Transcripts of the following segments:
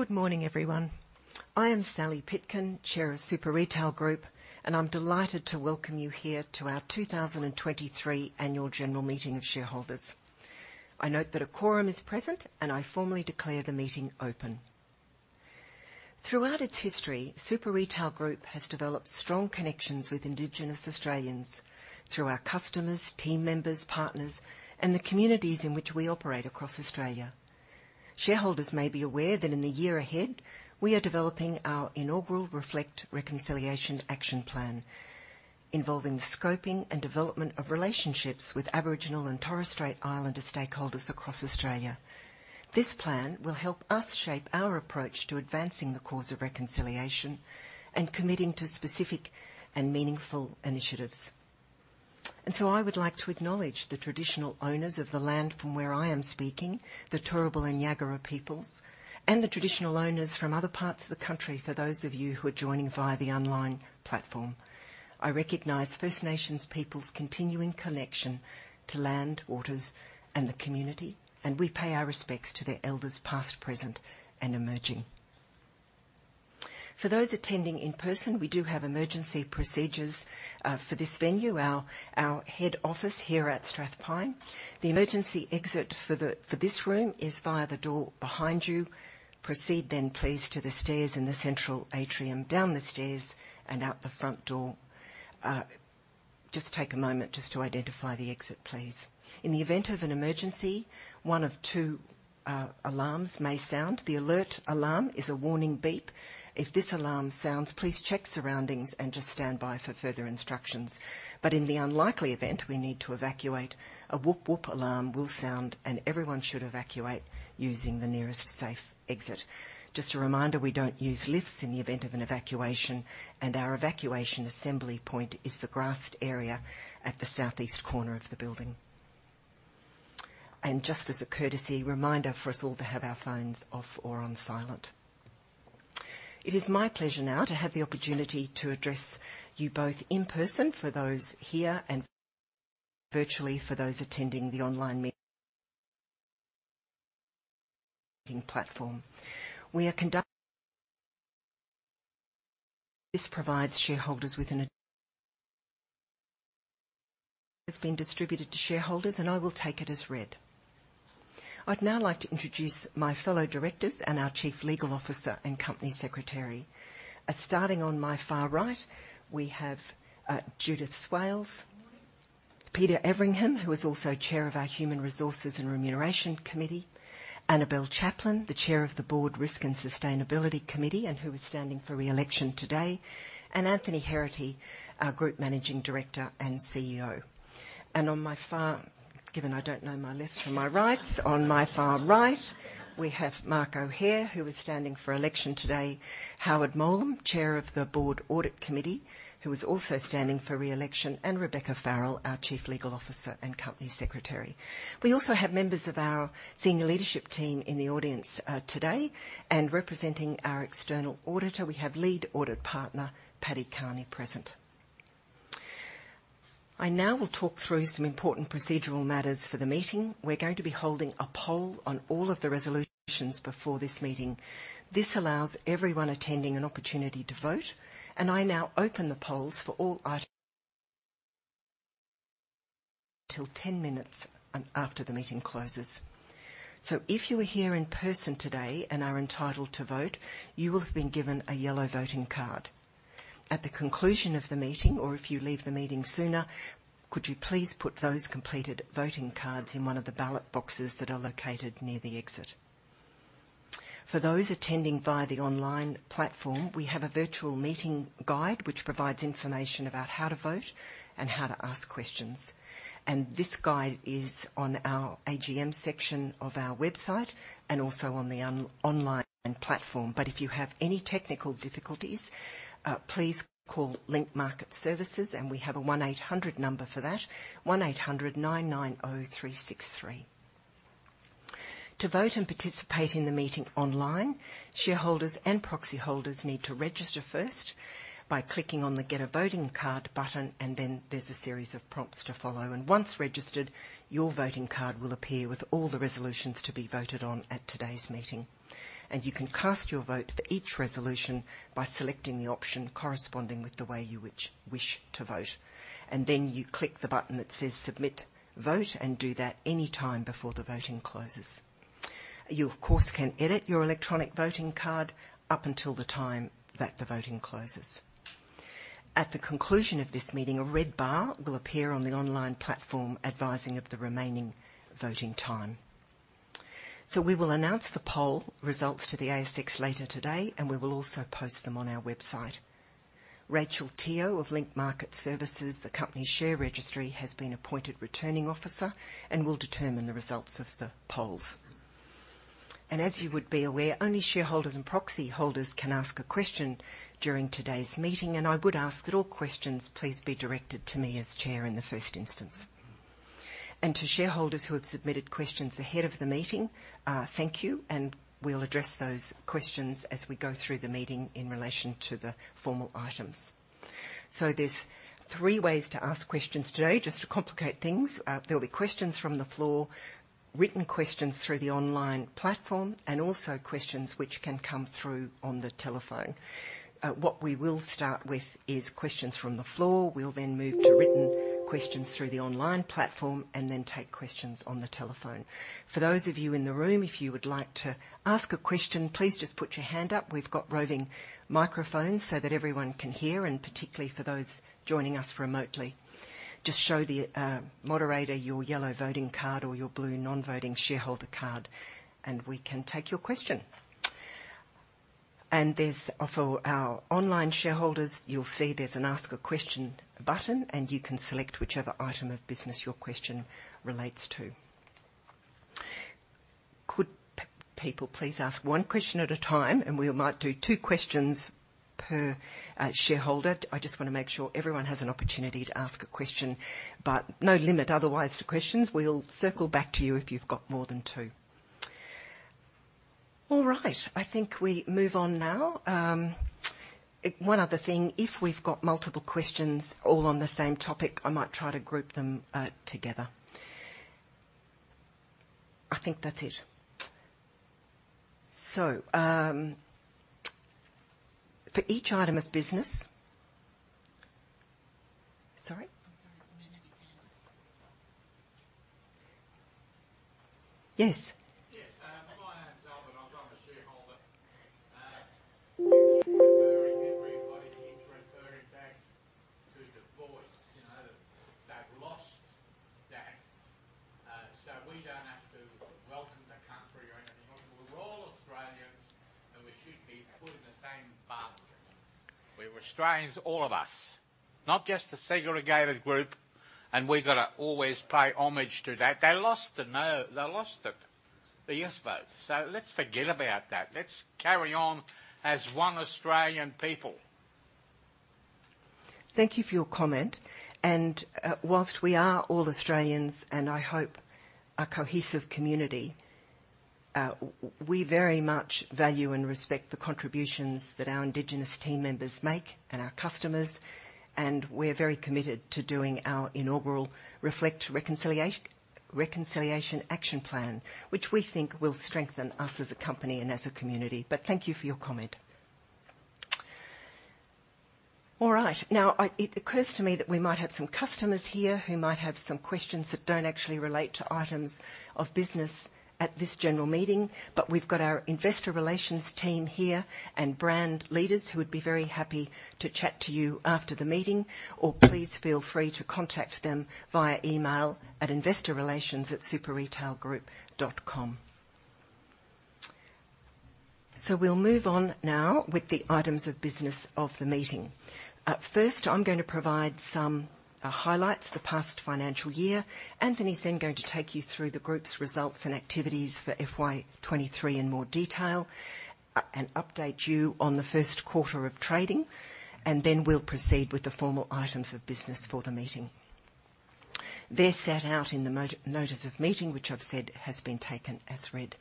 Good morning, everyone. I am Sally Pitkin, Chair of Super Retail Group, and I'm delighted to welcome you here to our 2023 Annual General Meeting of Shareholders. I note that a quorum is present, and I formally declare the meeting open. Throughout its history, Super Retail Group has developed strong connections with Indigenous Australians through our customers, team members, partners, and the communities in which we operate across Australia. Shareholders may be aware that in the year ahead, we are developing our inaugural Reflect Reconciliation Action Plan, involving the scoping and development of relationships with Aboriginal and Torres Strait Islander stakeholders across Australia. This plan will help us shape our approach to advancing the cause of reconciliation and committing to specific and meaningful initiatives. I would like to acknowledge the traditional owners of the land from where I am speaking, the Turrbal and Jagera peoples, and the traditional owners from other parts of the country for those of you who are joining via the online platform. I recognize First Nations peoples' continuing connection to land, waters, and the community, and we pay our respects to their elders, past, present, and emerging. For those attending in person, we do have emergency procedures for this venue, our head office here at Strathpine. The emergency exit for this room is via the door behind you. Proceed then, please, to the stairs in the central atrium, down the stairs and out the front door. Just take a moment to identify the exit, please. In the event of an emergency, one of two alarms may sound. The alert alarm is a warning beep. If this alarm sounds, please check surroundings and just stand by for further instructions. But in the unlikely event we need to evacuate, a whoop whoop alarm will sound and everyone should evacuate using the nearest safe exit. Just a reminder, we don't use lifts in the event of an evacuation, and our evacuation assembly point is the grassed area at the southeast corner of the building. Just as a courtesy reminder for us all to have our phones off or on silent. It is my pleasure now to have the opportunity to address you both in person for those here and virtually for those attending the online meeting platform. We are conducting... This provides shareholders with an... It's been distributed to shareholders, and I will take it as read. I'd now like to introduce my fellow directors and our Chief Legal Officer and Company Secretary. Starting on my far right, we have Judith Swales, Peter Everingham, who is also Chair of our Human Resources and Remuneration Committee, Annabelle Chaplin, the Chair of the Board Risk and Sustainability Committee, and who is standing for re-election today, and Anthony Heraghty, our Group Managing Director and CEO. Given, I don't know my left from my rights. On my far right, we have Mark O'Hare, who is standing for election today, Howard Mowlem, Chair of the Board Audit Committee, who is also standing for re-election, and Rebecca Farrell, our Chief Legal Officer and Company Secretary. We also have members of our senior leadership team in the audience today, and representing our external auditor, we have Lead Audit Partner Paddy Carney present. I now will talk through some important procedural matters for the meeting. We're going to be holding a poll on all of the resolutions before this meeting. This allows everyone attending an opportunity to vote, and I now open the polls for all items till 10 minutes after the meeting closes. So if you are here in person today and are entitled to vote, you will have been given a yellow voting card. At the conclusion of the meeting, or if you leave the meeting sooner, could you please put those completed voting cards in one of the ballot boxes that are located near the exit? For those attending via the online platform, we have a virtual meeting guide, which provides information about how to vote and how to ask questions. This guide is on our AGM section of our website and also on the online platform. But if you have any technical difficulties, please call Link Market Services, and we have a 1-800 number for that, 1-800-990-363. To vote and participate in the meeting online, shareholders and proxy holders need to register first by clicking on the Get a Voting Card button, and then there's a series of prompts to follow. Once registered, your voting card will appear with all the resolutions to be voted on at today's meeting. You can cast your vote for each resolution by selecting the option corresponding with the way you wish to vote. Then you click the button that says Submit Vote, and do that any time before the voting closes. You, of course, can edit your electronic voting card up until the time that the voting closes. At the conclusion of this meeting, a red bar will appear on the online platform, advising of the remaining voting time. So we will announce the poll results to the ASX later today, and we will also post them on our website. Rachel Teo of Link Market Services, the company's share registry, has been appointed Returning Officer and will determine the results of the polls. And as you would be aware, only shareholders and proxy holders can ask a question during today's meeting, and I would ask that all questions please be directed to me as Chair in the first instance. And to shareholders who have submitted questions ahead of the meeting, thank you, and we'll address those questions as we go through the meeting in relation to the formal items. So there's three ways to ask questions today, just to complicate things. There'll be questions from the floor, written questions through the online platform, and also questions which can come through on the telephone. What we will start with is questions from the floor. We'll then move to written questions through the online platform, and then take questions on the telephone. For those of you in the room, if you would like to ask a question, please just put your hand up. We've got roving microphones so that everyone can hear, and particularly for those joining us remotely. Just show the moderator your yellow voting card or your blue non-voting shareholder card, and we can take your question. There's also our online shareholders. You'll see there's an Ask a Question button, and you can select whichever item of business your question relates to. Could people please ask one question at a time, and we might do two questions per shareholder? I just wanna make sure everyone has an opportunity to ask a question, but no limit otherwise, to questions. We'll circle back to you if you've got more than two. All right, I think we move on now. One other thing, if we've got multiple questions all on the same topic, I might try to group them together. I think that's it. So, for each item of business... Sorry? I'm sorry. We may have a hand up. Yes. Yes, my name's Albert. I'm a shareholder. Referring everybody into referring back to the voice, you know, they've lost that, so we don't have to welcome the country or anything. We're all Australians, and we should be put in the same basket. We're Australians, all of us, not just a segregated group, and we've got to always pay homage to that. They lost the yes vote, so let's forget about that. Let's carry on as one Australian people. Thank you for your comment, and, while we are all Australians, and I hope a cohesive community, we very much value and respect the contributions that our indigenous team members make and our customers, and we're very committed to doing our inaugural Reconciliation Action Plan, which we think will strengthen us as a company and as a community. But thank you for your comment. All right. Now, it occurs to me that we might have some customers here who might have some questions that don't actually relate to items of business at this general meeting, but we've got our Investor Relations team here, and brand leaders who would be very happy to chat to you after the meeting, or please feel free to contact them via e-mail at investorrelations@superretailgroup.com. So we'll move on now with the items of business of the meeting. First, I'm gonna provide some highlights for the past financial year. Anthony is then going to take you through the group's results and activities for FY 2023 in more detail, and update you on the first quarter of trading, and then we'll proceed with the formal items of business for the meeting. They're set out in the notice of meeting, which I've said has been taken as read,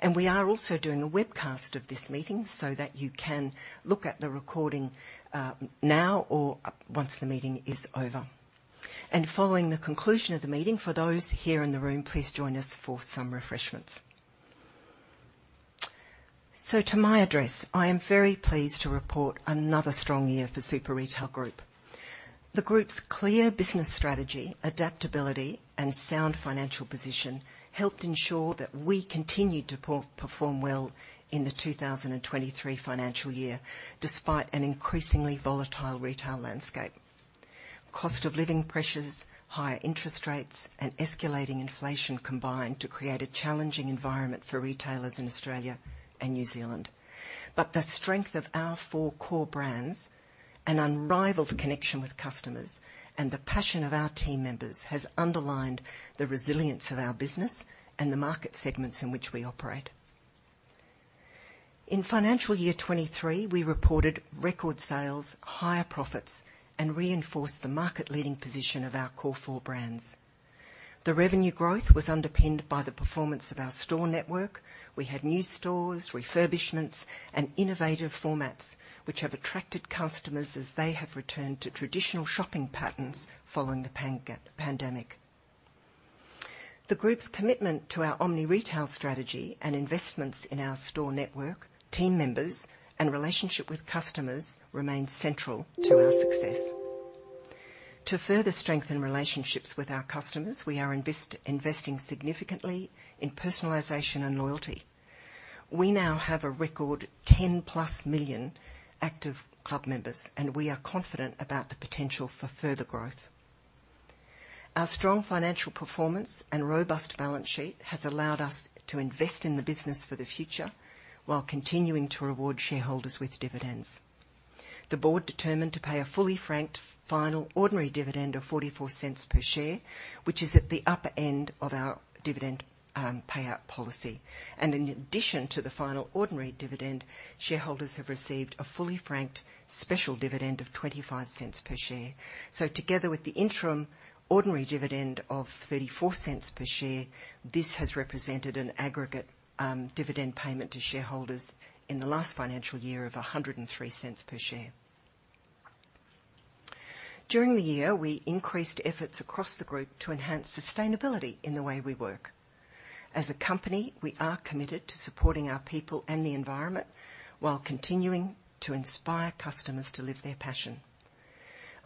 and we are also doing a webcast of this meeting so that you can look at the recording, now or once the meeting is over. Following the conclusion of the meeting, for those here in the room, please join us for some refreshments. So to my address, I am very pleased to report another strong year for Super Retail Group. The group's clear business strategy, adaptability, and sound financial position helped ensure that we continued to perform well in the 2023 financial year, despite an increasingly volatile retail landscape. Cost of living pressures, higher interest rates, and escalating inflation combined to create a challenging environment for retailers in Australia and New Zealand. But the strength of our four core brands, an unrivaled connection with customers, and the passion of our team members has underlined the resilience of our business and the market segments in which we operate. In financial year 2023, we reported record sales, higher profits, and reinforced the market-leading position of our core four brands. The revenue growth was underpinned by the performance of our store network. We had new stores, refurbishments, and innovative formats, which have attracted customers as they have returned to traditional shopping patterns following the pandemic. The group's commitment to our Omni-retail strategy and investments in our store network, team members, and relationship with customers remains central to our success. To further strengthen relationships with our customers, we are investing significantly in personalization and loyalty. We now have a record 10+ million active club members, and we are confident about the potential for further growth. Our strong financial performance and robust balance sheet has allowed us to invest in the business for the future while continuing to reward shareholders with dividends. The board determined to pay a fully franked final ordinary dividend of 0.44 per share, which is at the upper end of our dividend payout policy. In addition to the final ordinary dividend, shareholders have received a fully franked special dividend of 0.25 per share. Together with the interim ordinary dividend of 0.34 per share, this has represented an aggregate dividend payment to shareholders in the last financial year of 1.03 per share. During the year, we increased efforts across the group to enhance sustainability in the way we work. As a company, we are committed to supporting our people and the environment, while continuing to inspire customers to live their passion.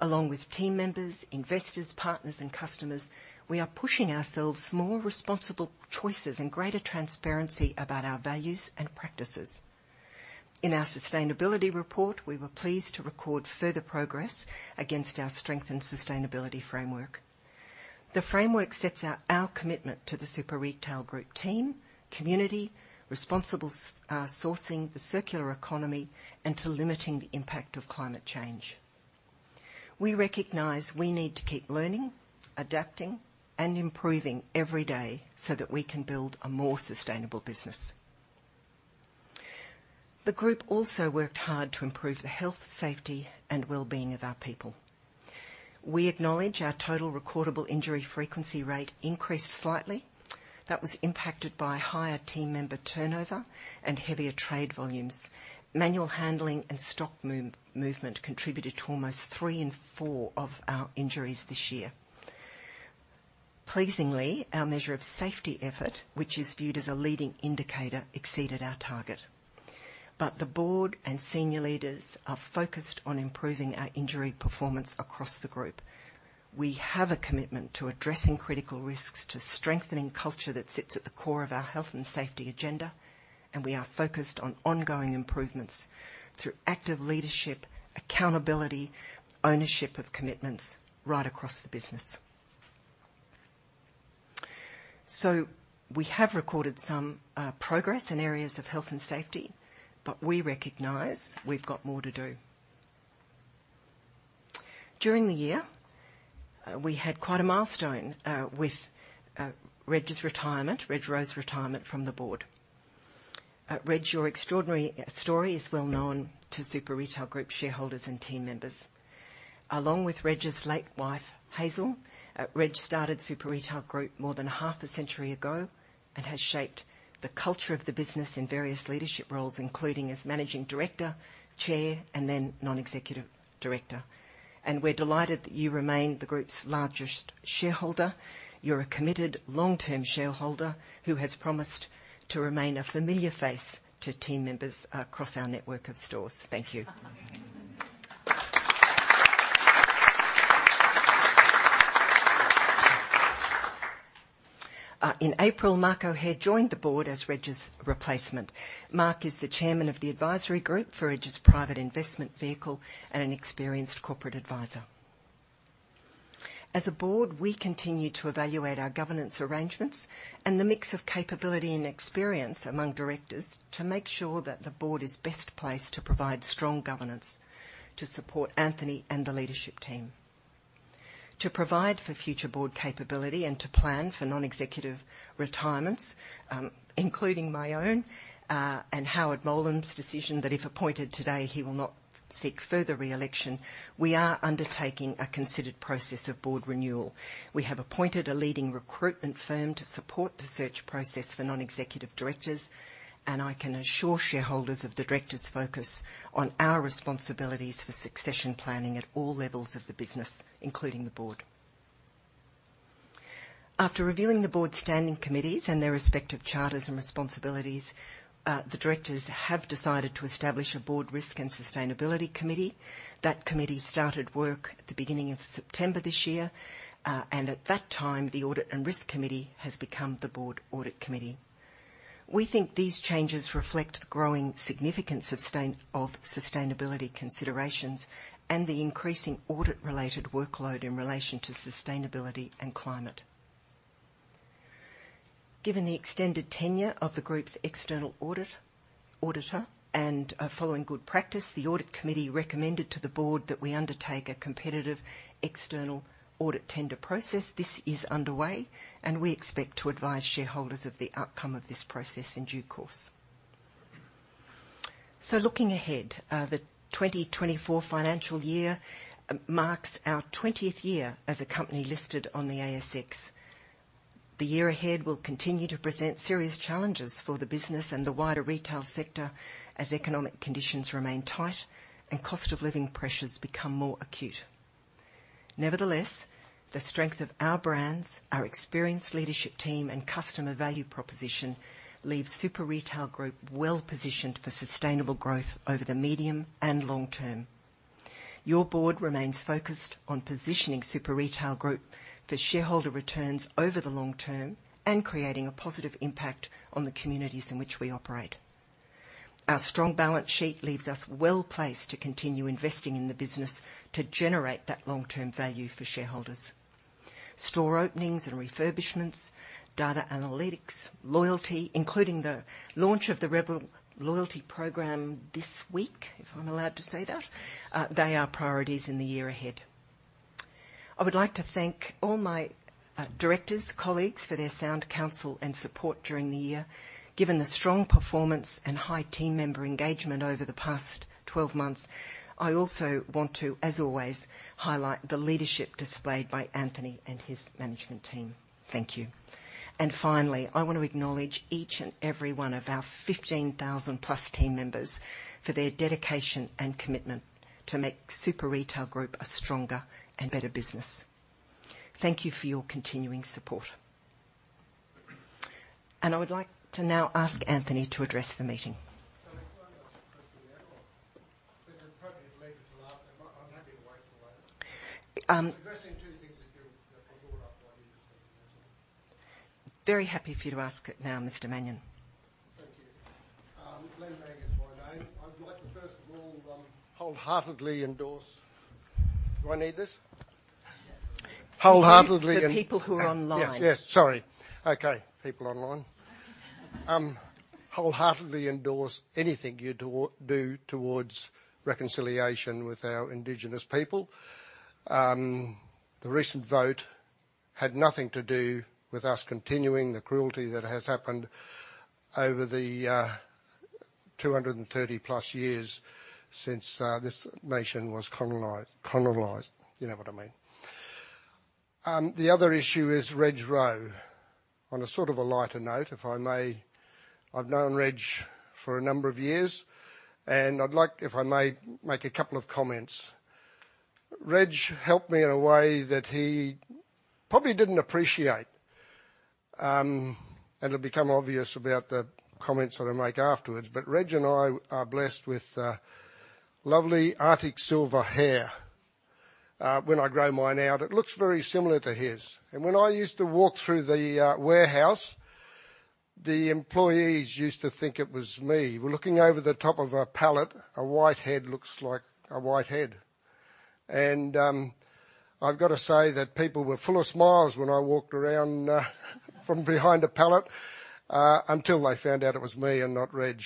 Along with team members, investors, partners, and customers, we are pushing ourselves for more responsible choices and greater transparency about our values and practices. In our sustainability report, we were pleased to record further progress against our strength and sustainability framework. The framework sets out our commitment to the Super Retail Group team, community, responsible sourcing, the circular economy, and to limiting the impact of climate change. We recognize we need to keep learning, adapting, and improving every day so that we can build a more sustainable business. The group also worked hard to improve the health, safety, and well-being of our people. We acknowledge our total recordable injury frequency rate increased slightly. That was impacted by higher team member turnover and heavier trade volumes. Manual handling and stock movement contributed to almost three in four of our injuries this year. Pleasingly, our measure of safety effort, which is viewed as a leading indicator, exceeded our target. But the board and senior leaders are focused on improving our injury performance across the group. We have a commitment to addressing critical risks, to strengthening culture that sits at the core of our health and safety agenda, and we are focused on ongoing improvements through active leadership, accountability, ownership of commitments right across the business. So we have recorded some progress in areas of health and safety, but we recognize we've got more to do. During the year, we had quite a milestone with Reg's retirement, Reg Rowe's retirement from the board. Reg, your extraordinary story is well known to Super Retail Group shareholders and team members. Along with Reg's late wife, Hazel, Reg started Super Retail Group more than half a century ago and has shaped the culture of the business in various leadership roles, including as managing director, chair, and then non-executive director. And we're delighted that you remain the group's largest shareholder. You're a committed long-term shareholder who has promised to remain a familiar face to team members across our network of stores. Thank you. In April, Mark O'Hare joined the board as Reg's replacement. Mark is the chairman of the advisory group for Reg's private investment vehicle and an experienced corporate advisor. As a Board, we continue to evaluate our governance arrangements and the mix of capability and experience among directors to make sure that the Board is best placed to provide strong governance, to support Anthony and the leadership team. To provide for future Board capability and to plan for non-executive retirements, including my own, and Howard Mowlem's decision that if appointed today, he will not seek further re-election, we are undertaking a considered process of Board renewal. We have appointed a leading recruitment firm to support the search process for non-executive directors, and I can assure shareholders of the directors' focus on our responsibilities for succession planning at all levels of the business, including the Board. After reviewing the board standing committees and their respective charters and responsibilities, the directors have decided to establish a Board Risk and Sustainability Committee. That committee started work at the beginning of September this year, and at that time, the Audit and Risk Committee has become the Board Audit Committee. We think these changes reflect the growing significance of sustainability considerations and the increasing audit-related workload in relation to sustainability and climate. Given the extended tenure of the group's external auditor, and following good practice, the Audit Committee recommended to the board that we undertake a competitive external audit tender process. This is underway, and we expect to advise shareholders of the outcome of this process in due course. So looking ahead, the 2024 financial year marks our 20th year as a company listed on the ASX. The year ahead will continue to present serious challenges for the business and the wider retail sector as economic conditions remain tight and cost of living pressures become more acute. Nevertheless, the strength of our brands, our experienced leadership team, and customer value proposition leaves Super Retail Group well-positioned for sustainable growth over the medium and long term. Your board remains focused on positioning Super Retail Group for shareholder returns over the long term and creating a positive impact on the communities in which we operate. Our strong balance sheet leaves us well-placed to continue investing in the business to generate that long-term value for shareholders.... store openings and refurbishments, data analytics, loyalty, including the launch of the Rebel loyalty program this week, if I'm allowed to say that, they are priorities in the year ahead. I would like to thank all my directors, colleagues, for their sound counsel and support during the year. Given the strong performance and high team member engagement over the past 12 months, I also want to, as always, highlight the leadership displayed by Anthony and his management team. Thank you. And finally, I want to acknowledge each and every one of our 15,000+ team members for their dedication and commitment to make Super Retail Group a stronger and better business. Thank you for your continuing support. I would like to now ask Anthony to address the meeting. So if I may ask a question now, or is it appropriate to leave it till after? I'm happy to wait till later. Um- Addressing two things that you brought up, I'd be interested in. Very happy for you to ask it now, Mr. Mannion. Thank you. Glen Mannion is my name. I'd like to first of all wholeheartedly endorse... Do I need this? Wholeheartedly- For the people who are online. Yes, yes. Sorry. Okay, people online. Wholeheartedly endorse anything you do towards reconciliation with our indigenous people. The recent vote had nothing to do with us continuing the cruelty that has happened over the 230+ years since this nation was colonized, colonized. You know what I mean. The other issue is Reg Rowe. On a sort of a lighter note, if I may, I've known Reg for a number of years, and I'd like, if I may, make a couple of comments. Reg helped me in a way that he probably didn't appreciate. And it'll become obvious about the comments that I make afterwards, but Reg and I are blessed with lovely arctic silver hair. When I grow mine out, it looks very similar to his. And when I used to walk through the warehouse, the employees used to think it was me. Well, looking over the top of a pallet, a white head looks like a white head. And I've got to say that people were full of smiles when I walked around from behind a pallet until they found out it was me and not Reg.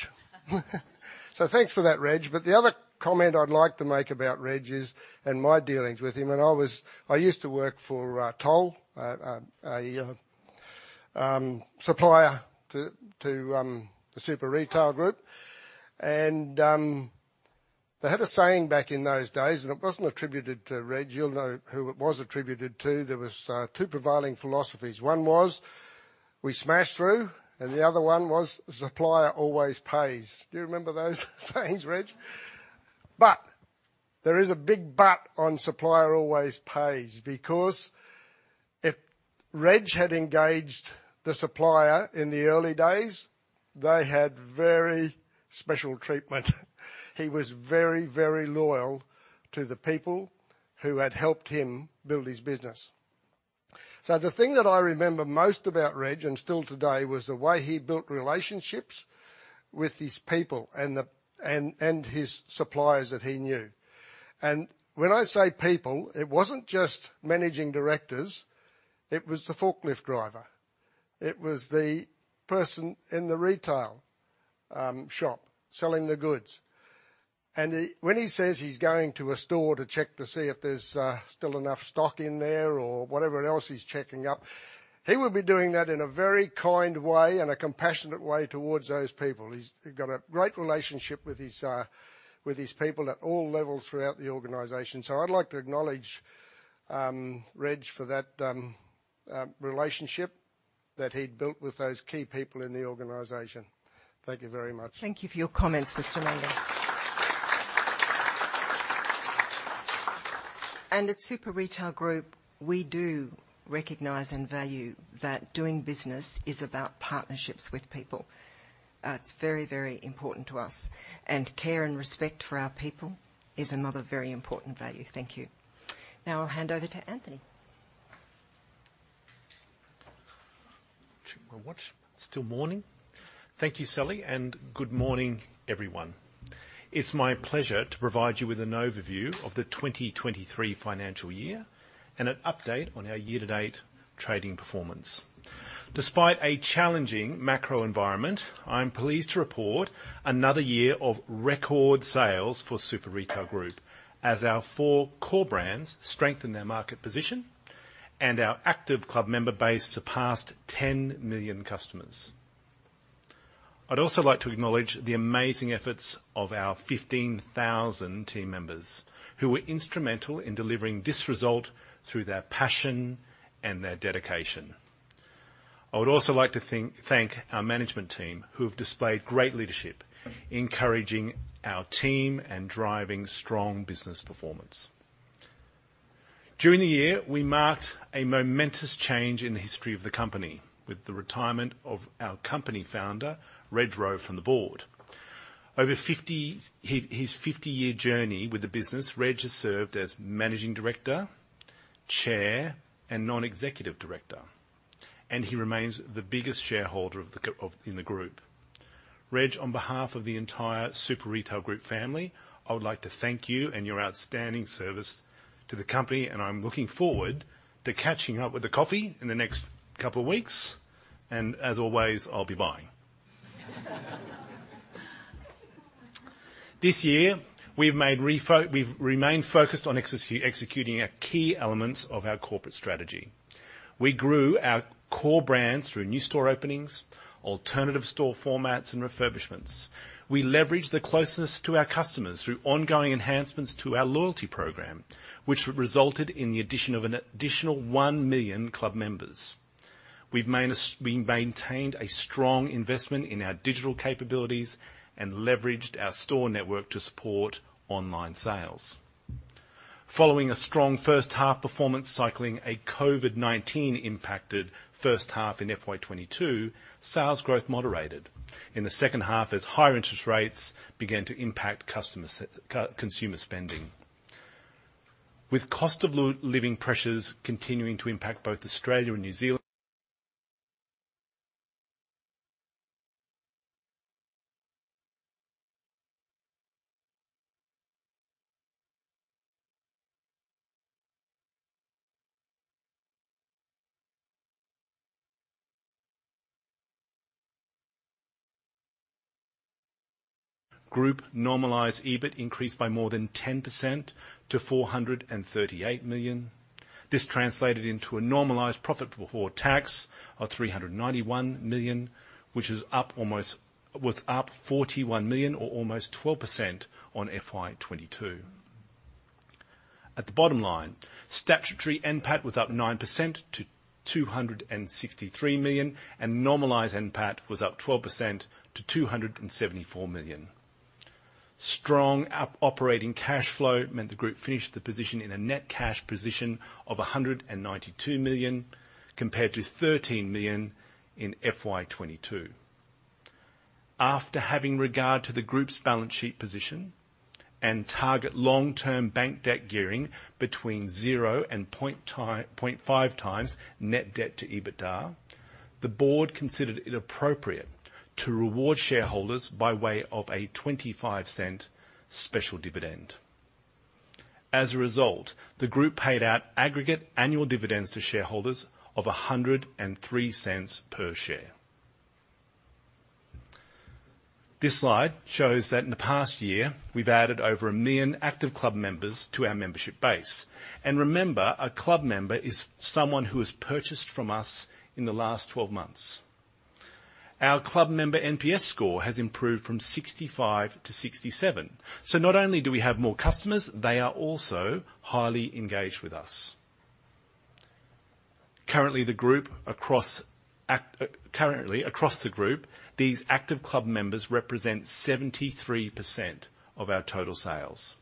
So thanks for that, Reg. But the other comment I'd like to make about Reg is, and my dealings with him, and I was—I used to work for Toll, a supplier to the Super Retail Group. And they had a saying back in those days, and it wasn't attributed to Reg. You'll know who it was attributed to. There was two prevailing philosophies. One was, "We smash through," and the other one was, "Supplier always pays." Do you remember those things, Reg? But there is a big but on supplier always pays, because if Reg had engaged the supplier in the early days, they had very special treatment. He was very, very loyal to the people who had helped him build his business. So the thing that I remember most about Reg, and still today, was the way he built relationships with his people and his suppliers that he knew. And when I say people, it wasn't just managing directors, it was the forklift driver. It was the person in the retail shop, selling the goods. And he... When he says he's going to a store to check to see if there's still enough stock in there or whatever else he's checking up, he would be doing that in a very kind way and a compassionate way towards those people. He's got a great relationship with his people at all levels throughout the organization. So I'd like to acknowledge Reg for that relationship that he'd built with those key people in the organization. Thank you very much. Thank you for your comments, Mr. Mannion. At Super Retail Group, we do recognize and value that doing business is about partnerships with people. It's very, very important to us, and care and respect for our people is another very important value. Thank you. Now I'll hand over to Anthony. Check my watch. It's still morning. Thank you, Sally, and good morning, everyone. It's my pleasure to provide you with an overview of the 2023 financial year and an update on our year-to-date trading performance. Despite a challenging macro environment, I'm pleased to report another year of record sales for Super Retail Group, as our four core brands strengthened their market position, and our active club member base surpassed 10 million customers. I'd also like to acknowledge the amazing efforts of our 15,000 team members, who were instrumental in delivering this result through their passion and their dedication. I would also like to thank our management team, who have displayed great leadership, encouraging our team and driving strong business performance. During the year, we marked a momentous change in the history of the company with the retirement of our company founder, Reg Rowe, from the board. Over his 50-year journey with the business, Reg has served as Managing Director, Chair, and non-executive director, and he remains the biggest shareholder of the company of the group. Reg, on behalf of the entire Super Retail Group family, I would like to thank you for your outstanding service to the company, and I'm looking forward to catching up with a coffee in the next couple of weeks. And as always, I'll be buying. This year, we've remained focused on executing our key elements of our corporate strategy. We grew our core brands through new store openings, alternative store formats, and refurbishments. We leveraged the closeness to our customers through ongoing enhancements to our loyalty program, which resulted in the addition of an additional 1 million club members. We've maintained a strong investment in our digital capabilities and leveraged our store network to support online sales. Following a strong first half performance, cycling a COVID-19 impacted first half in FY 2022, sales growth moderated. In the second half, as higher interest rates began to impact consumer spending. With cost of living pressures continuing to impact both Australia and New Zealand... Group normalized EBIT increased by more than 10% to 438 million. This translated into a normalized profit before tax of 391 million, which is up almost-- was up 41 million or almost 12% on FY 2022. At the bottom line, statutory NPAT was up 9% to 263 million, and normalized NPAT was up 12% to 274 million. Strong operating cash flow meant the group finished the position in a net cash position of 192 million, compared to 13 million in FY 2022. After having regard to the group's balance sheet position and target long-term bank debt gearing between zero and 0.5x net debt-to-EBITDA, the board considered it appropriate to reward shareholders by way of a 0.25 special dividend. As a result, the group paid out aggregate annual dividends to shareholders of 1.03 per share. This slide shows that in the past year, we've added over 1 million active club members to our membership base. And remember, a club member is someone who has purchased from us in the last 12 months. Our club member NPS score has improved from 65 to 67. So not only do we have more customers, they are also highly engaged with us. Currently, across the group, these active club members represent 73% of our total sales.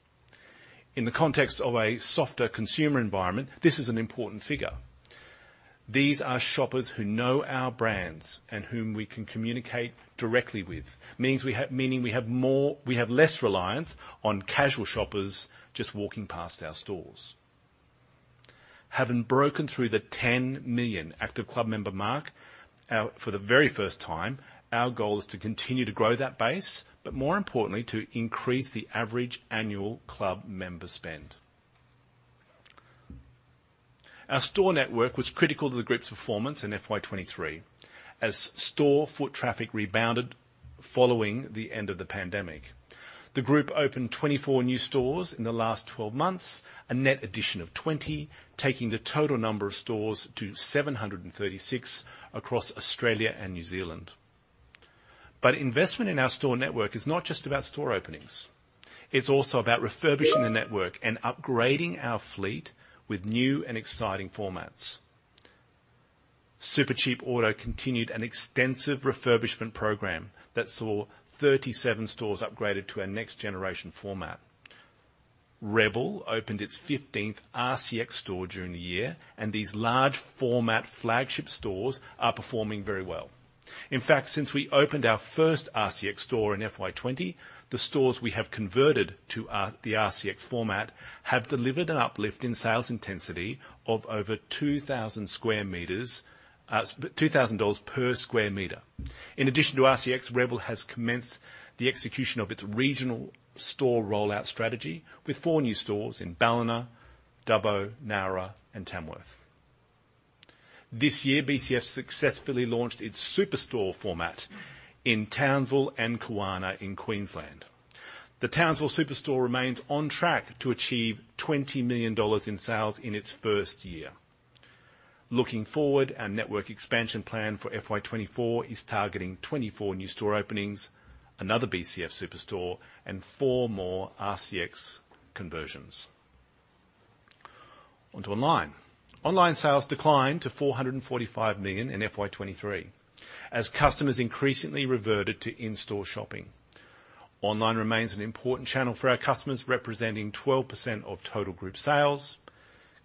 In the context of a softer consumer environment, this is an important figure. These are shoppers who know our brands and whom we can communicate directly with. Meaning we have less reliance on casual shoppers just walking past our stores. Having broken through the 10 million active club member mark for the very first time, our goal is to continue to grow that base, but more importantly, to increase the average annual club member spend. Our store network was critical to the group's performance in FY 2023, as store foot traffic rebounded following the end of the pandemic. The group opened 24 new stores in the last 12 months, a net addition of 20, taking the total number of stores to 736 across Australia and New Zealand. But investment in our store network is not just about store openings. It's also about refurbishing the network and upgrading our fleet with new and exciting formats. Supercheap Auto continued an extensive refurbishment program that saw 37 stores upgraded to our next generation format. Rebel opened its 15th RCX store during the year, and these large format flagship stores are performing very well. In fact, since we opened our first RCX store in FY 2020, the stores we have converted to the RCX format have delivered an uplift in sales intensity of over 2,000 sq m, $2,000 per sq m. In addition to RCX, Rebel has commenced the execution of its regional store rollout strategy with four new stores in Ballina, Dubbo, Nowra, and Tamworth. This year, BCF successfully launched its super store format in Townsville and Kawana in Queensland. The Townsville Super store remains on track to achieve 20 million dollars in sales in its first year. Looking forward, our network expansion plan for FY 2024 is targeting 24 new store openings, another BCF super store, and four more RCX conversions. On to online. Online sales declined to 445 million in FY 2023 as customers increasingly reverted to in-store shopping. Online remains an important channel for our customers, representing 12% of total group sales.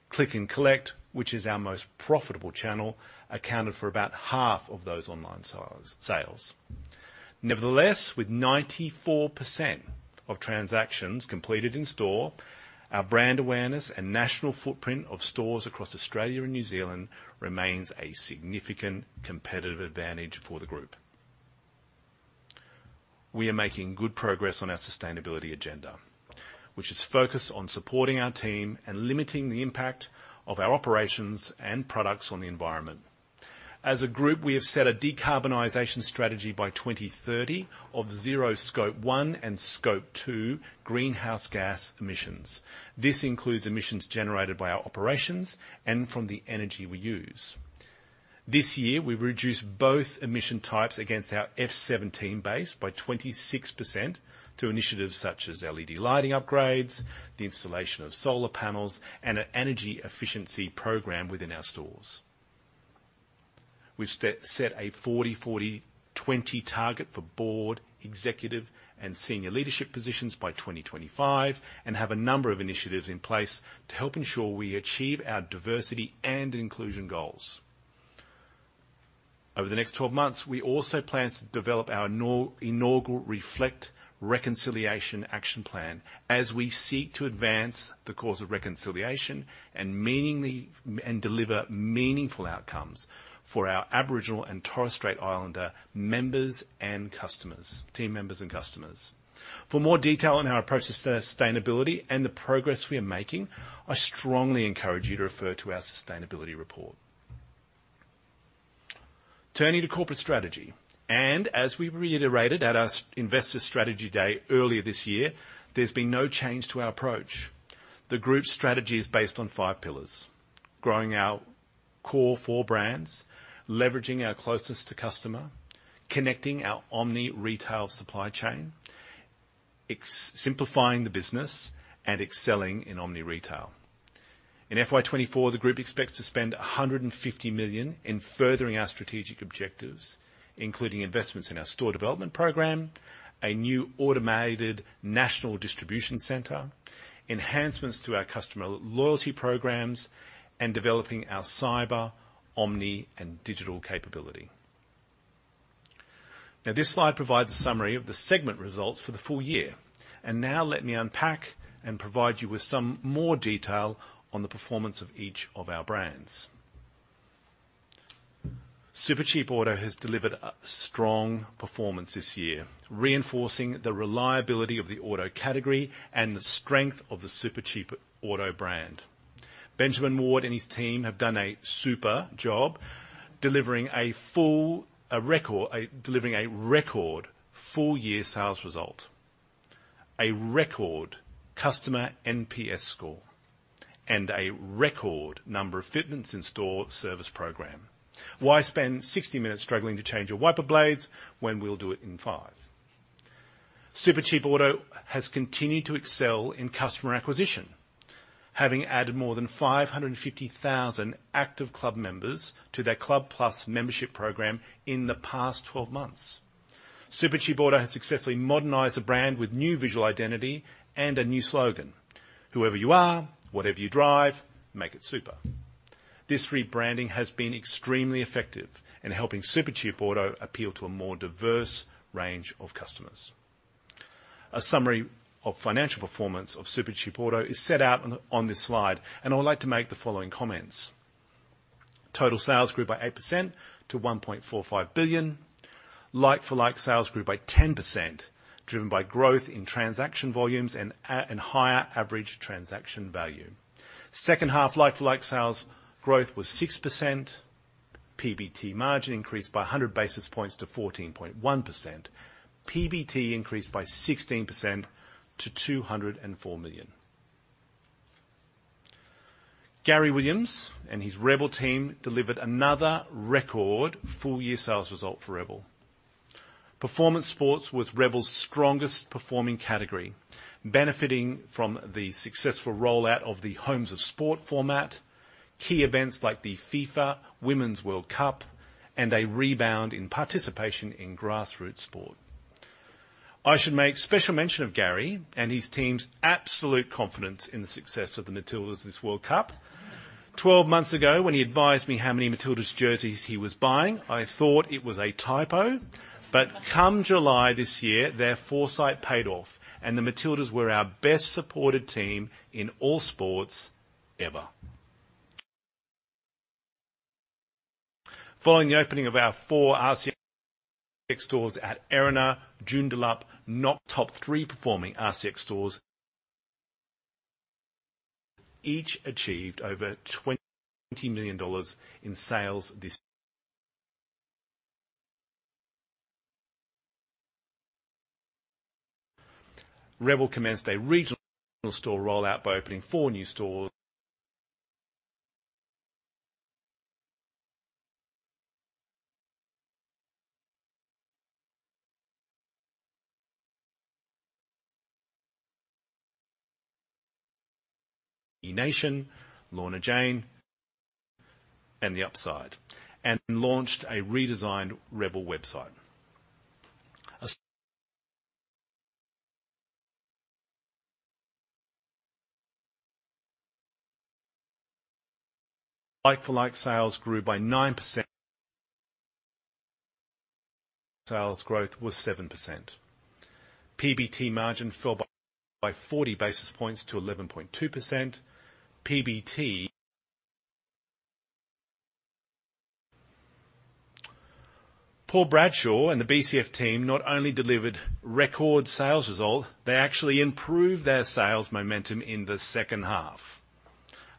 Click and collect, which is our most profitable channel, accounted for about half of those online sales. Nevertheless, with 94%-... of transactions completed in store, our brand awareness and national footprint of stores across Australia and New Zealand remains a significant competitive advantage for the group. We are making good progress on our sustainability agenda, which is focused on supporting our team and limiting the impact of our operations and products on the environment. As a group, we have set a decarbonization strategy by 2030 of zero Scope 1 and Scope 2 greenhouse gas emissions. This includes emissions generated by our operations and from the energy we use. This year, we've reduced both emission types against our FY 2017 base by 26% through initiatives such as LED lighting upgrades, the installation of solar panels, and an energy efficiency program within our stores. We've set a 40/40/20 target for board, executive, and senior leadership positions by 2025, and have a number of initiatives in place to help ensure we achieve our diversity and inclusion goals. Over the next 12 months, we also plan to develop our inaugural Reconciliation Action Plan as we seek to advance the cause of reconciliation and deliver meaningful outcomes for our Aboriginal and Torres Strait Islander team members and customers. For more detail on our approach to sustainability and the progress we are making, I strongly encourage you to refer to our sustainability report. Turning to corporate strategy, and as we reiterated at our Investor Strategy Day earlier this year, there's been no change to our approach. The group's strategy is based on five pillars: growing our core four brands, leveraging our closeness to customer, connecting our omni retail supply chain, simplifying the business, and excelling in omni retail. In FY 2024, the group expects to spend AUD 150 million in furthering our strategic objectives, including investments in our store development program, a new automated national distribution center, enhancements to our customer loyalty programs, and developing our cyber, omni, and digital capability. Now, this slide provides a summary of the segment results for the full year, and now let me unpack and provide you with some more detail on the performance of each of our brands. Supercheap Auto has delivered a strong performance this year, reinforcing the reliability of the auto category and the strength of the Supercheap Auto brand. Benjamin Ward and his team have done a super job delivering a record full-year sales result, a record customer NPS score, and a record number of fitments in store service program. Why spend 60 minutes struggling to change your wiper blades when we'll do it in five? Supercheap Auto has continued to excel in customer acquisition, having added more than 550,000 active club members to their Club Plus membership program in the past 12 months. Supercheap Auto has successfully modernized the brand with new visual identity and a new slogan: "Whoever you are, whatever you drive, make it super." This rebranding has been extremely effective in helping Supercheap Auto appeal to a more diverse range of customers. A summary of financial performance of Supercheap Auto is set out on this slide, and I would like to make the following comments. Total sales grew by 8% to 1.45 billion. Like-for-like sales grew by 10%, driven by growth in transaction volumes and higher average transaction value. Second half, like-for-like sales growth was 6%. PBT margin increased by 100 basis points to 14.1%. PBT increased by 16% to AUD 204 million. Gary Williams and his Rebel team delivered another record full-year sales result for Rebel. Performance sports was Rebel's strongest performing category, benefiting from the successful rollout of the Homes of Sport format, key events like the FIFA Women's World Cup, and a rebound in participation in grassroots sport. I should make special mention of Gary and his team's absolute confidence in the success of the Matildas this World Cup. 12 months ago, when he advised me how many Matildas jerseys he was buying, I thought it was a typo. Come July this year, their foresight paid off, and the Matildas were our best-supported team in all sports ever. Following the opening of our four RCX stores at Erina, Joondalup, Knox--top three performing RCX stores. Each achieved over 20 million dollars in sales this... Rebel commenced a regional store rollout by opening four new stores... P.E Nation, Lorna Jane, and The Upside, and launched a redesigned Rebel website. Like-for-like sales grew by 9%. Sales growth was 7%. PBT margin fell by 40 basis points to 11.2%. PBT. Paul Bradshaw and the BCF team not only delivered record sales result, they actually improved their sales momentum in the second half.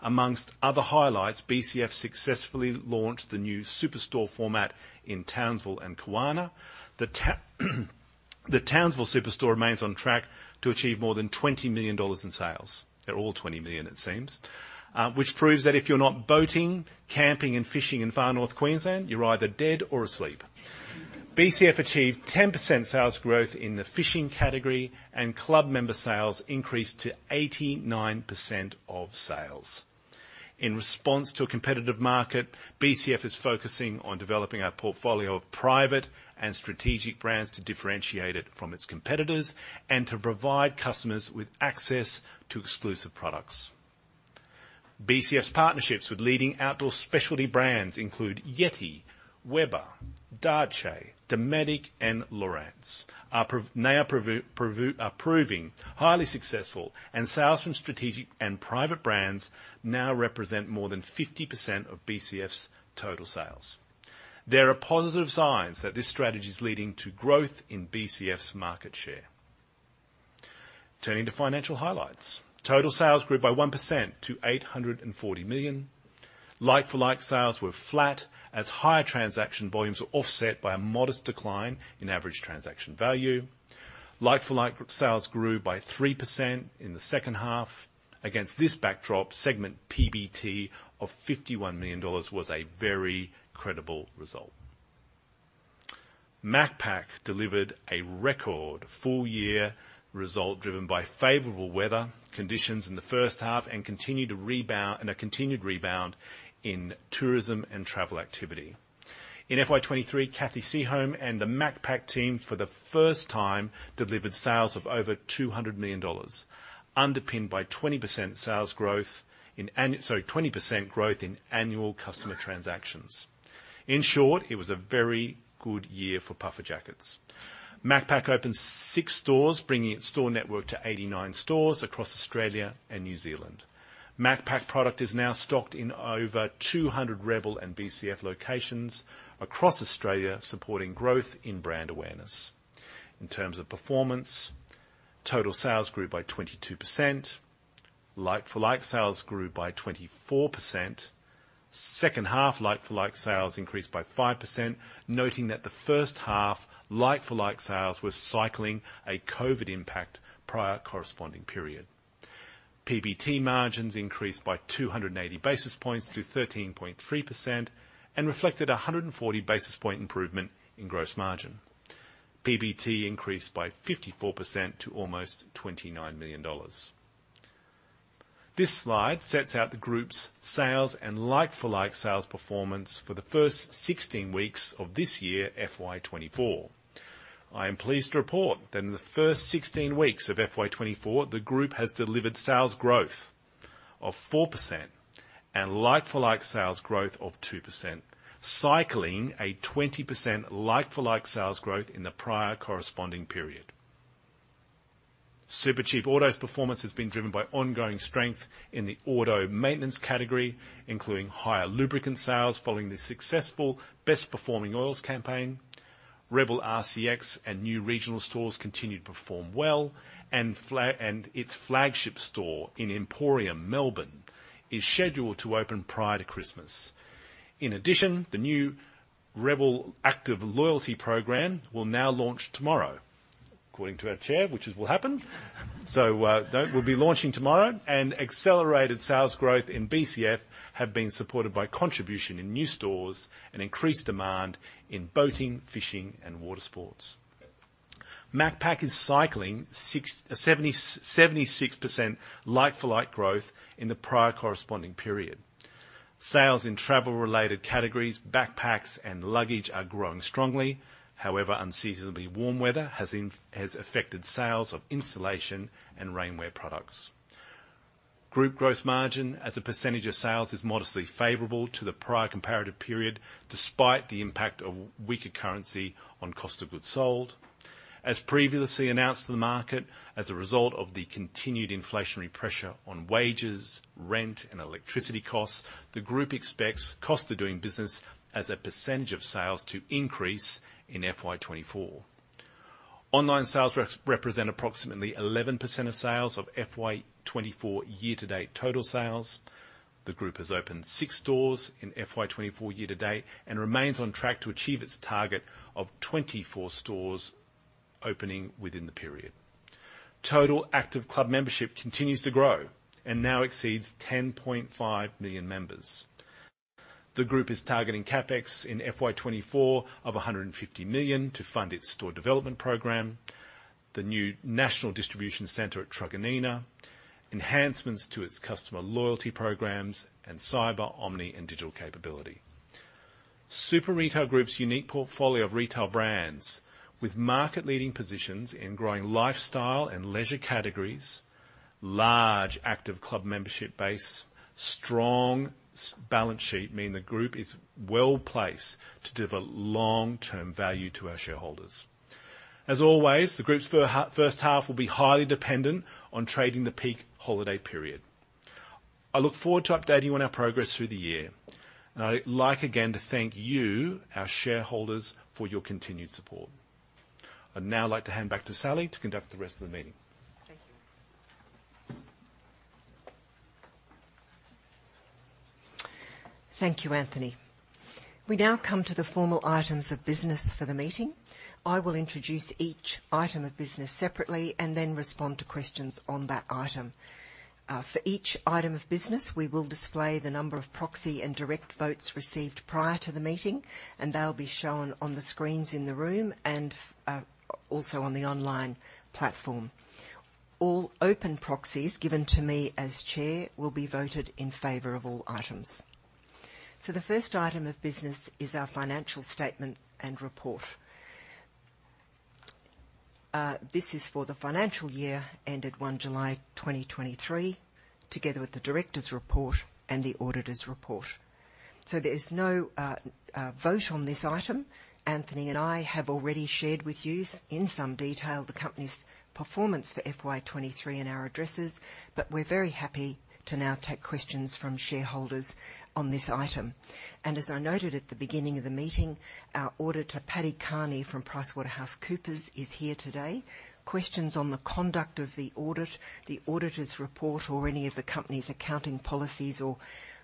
Among other highlights, BCF successfully launched the new super store format in Townsville and Kawana. The Townsville superstore remains on track to achieve more than 20 million dollars in sales. They're all 20 million, it seems. Which proves that if you're not boating, camping, and fishing in Far North Queensland, you're either dead or asleep. BCF achieved 10% sales growth in the fishing category, and club member sales increased to 89% of sales. In response to a competitive market, BCF is focusing on developing our portfolio of private and strategic brands to differentiate it from its competitors, and to provide customers with access to exclusive products. BCF's partnerships with leading outdoor specialty brands include YETI, Weber, Darche, Dometic, and Lowrance. They are proving highly successful, and sales from strategic and private brands now represent more than 50% of BCF's total sales. There are positive signs that this strategy is leading to growth in BCF's market share. Turning to financial highlights. Total sales grew by 1% to 840 million. Like-for-like sales were flat, as higher transaction volumes were offset by a modest decline in average transaction value. Like-for-like sales grew by 3% in the second half. Against this backdrop, segment PBT of 51 million dollars was a very credible result. Macpac delivered a record full year result, driven by favorable weather conditions in the first half, and a continued rebound in tourism and travel activity. In FY 2023, Cathy Seaholme and the Macpac team, for the first time, delivered sales of over 200 million dollars, underpinned by 20% growth in annual customer transactions. In short, it was a very good year for puffer jackets. Macpac opened six stores, bringing its store network to 89 stores across Australia and New Zealand. Macpac product is now stocked in over 200 Rebel and BCF locations across Australia, supporting growth in brand awareness. In terms of performance, total sales grew by 22%. Like-for-like sales grew by 24%. Second half, like-for-like sales increased by 5%, noting that the first half, like-for-like sales were cycling a COVID impact prior corresponding period. PBT margins increased by 280 basis points to 13.3%, and reflected a 140 basis point improvement in gross margin. PBT increased by 54% to almost 29 million dollars. This slide sets out the group's sales and like-for-like sales performance for the first 16 weeks of this year, FY 2024. I am pleased to report that in the first 16 weeks of FY 2024, the group has delivered sales growth of 4% and like-for-like sales growth of 2%, cycling a 20% like-for-like sales growth in the prior corresponding period. Supercheap Auto's performance has been driven by ongoing strength in the auto maintenance category, including higher lubricant sales following the successful best performing oils campaign. Rebel RCX and new regional stores continued to perform well, and its flagship store in Emporium, Melbourne, is scheduled to open prior to Christmas. In addition, the new Rebel Active loyalty program will now launch tomorrow, according to our Chair, which it will happen. That will be launching tomorrow, and accelerated sales growth in BCF have been supported by contribution in new stores and increased demand in boating, fishing, and water sports. Macpac is cycling 67.76% like-for-like growth in the prior corresponding period. Sales in travel-related categories, backpacks and luggage are growing strongly. However, unseasonably warm weather has affected sales of insulation and rainwear products. Group gross margin, as a percentage of sales, is modestly favorable to the prior comparative period, despite the impact of weaker currency on cost of goods sold. As previously announced to the market, as a result of the continued inflationary pressure on wages, rent, and electricity costs, the group expects cost of doing business as a percentage of sales to increase in FY 2024. Online sales represent approximately 11% of sales of FY 2024 year-to-date total sales. The group has opened six stores in FY 2024 year-to-date, and remains on track to achieve its target of 24 stores opening within the period. Total active club membership continues to grow and now exceeds 10.5 million members. The group is targeting CapEx in FY 2024 of 150 million to fund its store development program, the new national distribution center at Truganina, enhancements to its customer loyalty programs, and cyber, omni, and digital capability.... Super Retail Group's unique portfolio of retail brands, with market-leading positions in growing lifestyle and leisure categories, large active club membership base, strong balance sheet, mean the group is well-placed to deliver long-term value to our shareholders. As always, the group's first half will be highly dependent on trading the peak holiday period. I look forward to updating you on our progress through the year, and I'd like, again, to thank you, our shareholders, for your continued support. I'd now like to hand back to Sally to conduct the rest of the meeting. Thank you. Thank you, Anthony. We now come to the formal items of business for the meeting. I will introduce each item of business separately and then respond to questions on that item. For each item of business, we will display the number of proxy and direct votes received prior to the meeting, and they'll be shown on the screens in the room and also on the online platform. All open proxies given to me as chair will be voted in favor of all items. So the first item of business is our financial statement and report. This is for the financial year ended 1 July 2023, together with the director's report and the auditor's report. So there's no vote on this item. Anthony and I have already shared with you, in some detail, the company's performance for FY 2023 in our addresses, but we're very happy to now take questions from shareholders on this item. As I noted at the beginning of the meeting, our auditor, Paddy Carney from PricewaterhouseCoopers, is here today. Questions on the conduct of the audit, the auditor's report or any of the company's accounting policies or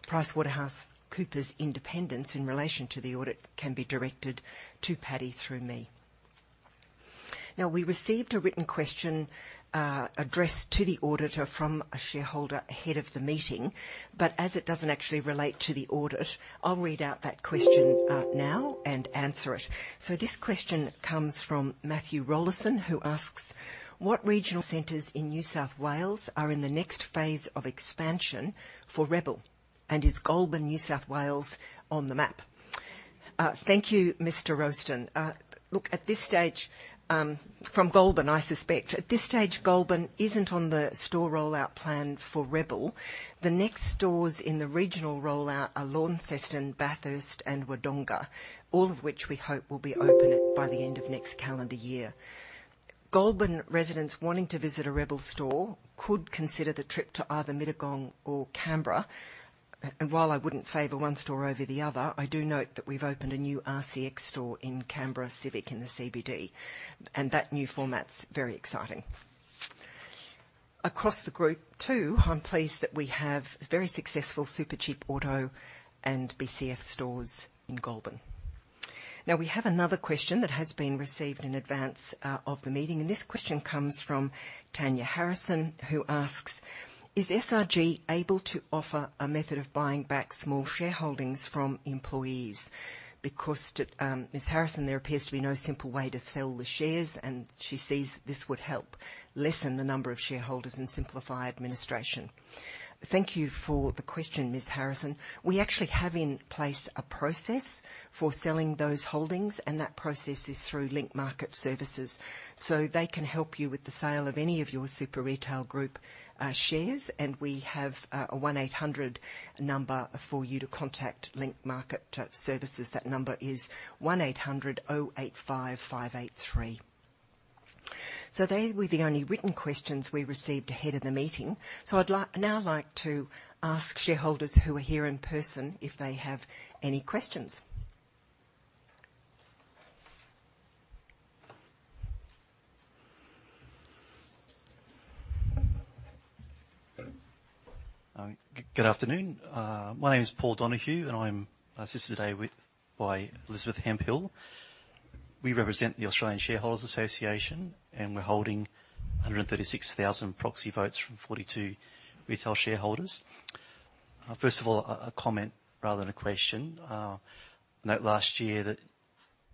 PricewaterhouseCoopers independence in relation to the audit can be directed to Paddy through me. Now, we received a written question addressed to the auditor from a shareholder ahead of the meeting, but as it doesn't actually relate to the audit, I'll read out that question now and answer it. So this question comes from Matthew Rollason, who asks: What regional centers in New South Wales are in the next phase of expansion for Rebel, and is Goulburn, New South Wales, on the map? Thank you, Mr. Rollason. Look, at this stage, Goulburn isn't on the store rollout plan for Rebel. The next stores in the regional rollout are Launceston, Bathurst, and Wodonga, all of which we hope will be open by the end of next calendar year. Goulburn residents wanting to visit a Rebel store could consider the trip to either Mittagong or Canberra. And while I wouldn't favor one store over the other, I do note that we've opened a new RCX store in Canberra, Civic in the CBD, and that new format's very exciting. Across the group, too, I'm pleased that we have very successful Supercheap Auto and BCF stores in Goulburn. Now, we have another question that has been received in advance of the meeting, and this question comes from Tanya Harrison, who asks: Is SRG able to offer a method of buying back small shareholdings from employees? Because to Ms. Harrison, there appears to be no simple way to sell the shares, and she sees this would help lessen the number of shareholders and simplify administration. Thank you for the question, Ms. Harrison. We actually have in place a process for selling those holdings, and that process is through Link Market Services, so they can help you with the sale of any of your Super Retail Group shares, and we have a 1-800 number for you to contact Link Market Services. That number is 1800-085-583. So they were the only written questions we received ahead of the meeting. So now I'd like to ask shareholders who are here in person if they have any questions. Good afternoon. My name is Paul Donohue, and I'm assisted today with, by Elizabeth Hemphill. We represent the Australian Shareholders Association, and we're holding 136,000 proxy votes from 42 retail shareholders. First of all, a comment rather than a question. Note last year that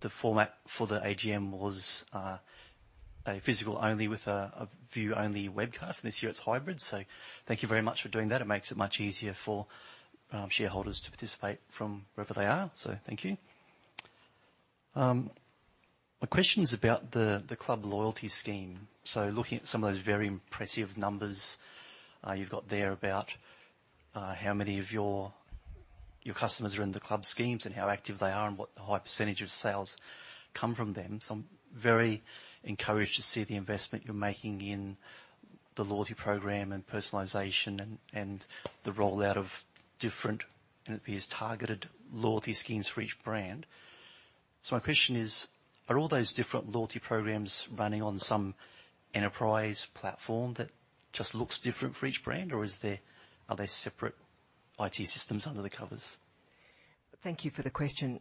the format for the AGM was a physical only with a view-only webcast. This year it's hybrid, so thank you very much for doing that. It makes it much easier for shareholders to participate from wherever they are. So thank you. My question is about the club loyalty scheme. So looking at some of those very impressive numbers you've got there about how many of your customers are in the club schemes and how active they are and what the high percentage of sales come from them. I'm very encouraged to see the investment you're making in the loyalty program and personalization, and the rollout of these targeted loyalty schemes for each brand. My question is, are all those different loyalty programs running on some enterprise platform that just looks different for each brand, or are they separate IT systems under the covers? Thank you for the question,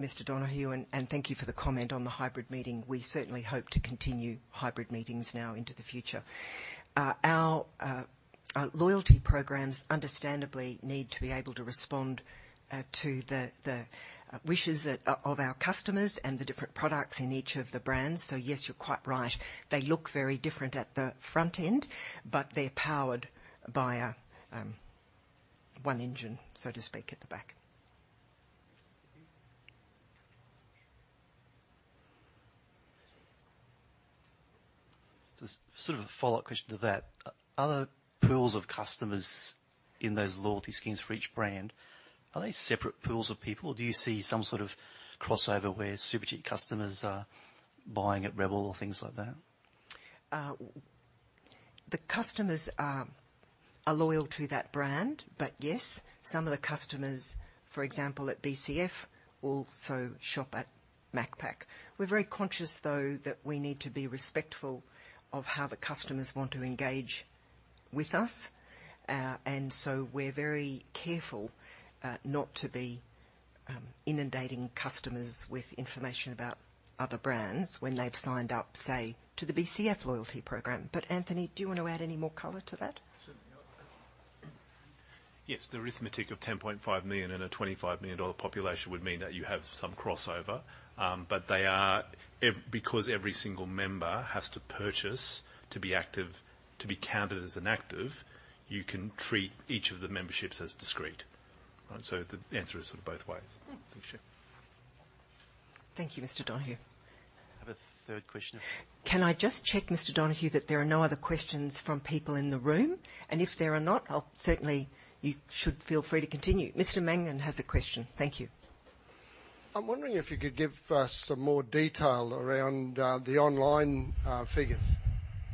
Mr. Donohue, and thank you for the comment on the hybrid meeting. We certainly hope to continue hybrid meetings now into the future. Our loyalty programs understandably need to be able to respond to the wishes of our customers and the different products in each of the brands. So yes, you're quite right. They look very different at the front end, but they're powered by a one engine, so to speak, at the back.... Just sort of a follow-up question to that. Are the pools of customers in those loyalty schemes for each brand, are they separate pools of people, or do you see some sort of crossover where Supercheap customers are buying at Rebel or things like that? The customers are loyal to that brand, but yes, some of the customers, for example, at BCF, also shop at Macpac. We're very conscious, though, that we need to be respectful of how the customers want to engage with us. And so we're very careful not to be inundating customers with information about other brands when they've signed up, say, to the BCF loyalty program. But Anthony, do you want to add any more color to that? Certainly. Yes, the arithmetic of 10.5 million in a 25 million dollar population would mean that you have some crossover. But they are... because every single member has to purchase to be active, to be counted as an active, you can treat each of the memberships as discrete. So the answer is sort of both ways. Thank you, Chair. Thank you, Mr. Donohue. I have a third question- Can I just check, Mr. Donohue, that there are no other questions from people in the room? If there are not, I'll certainly, you should feel free to continue. Mr. Mannion has a question. Thank you. I'm wondering if you could give us some more detail around the online figures.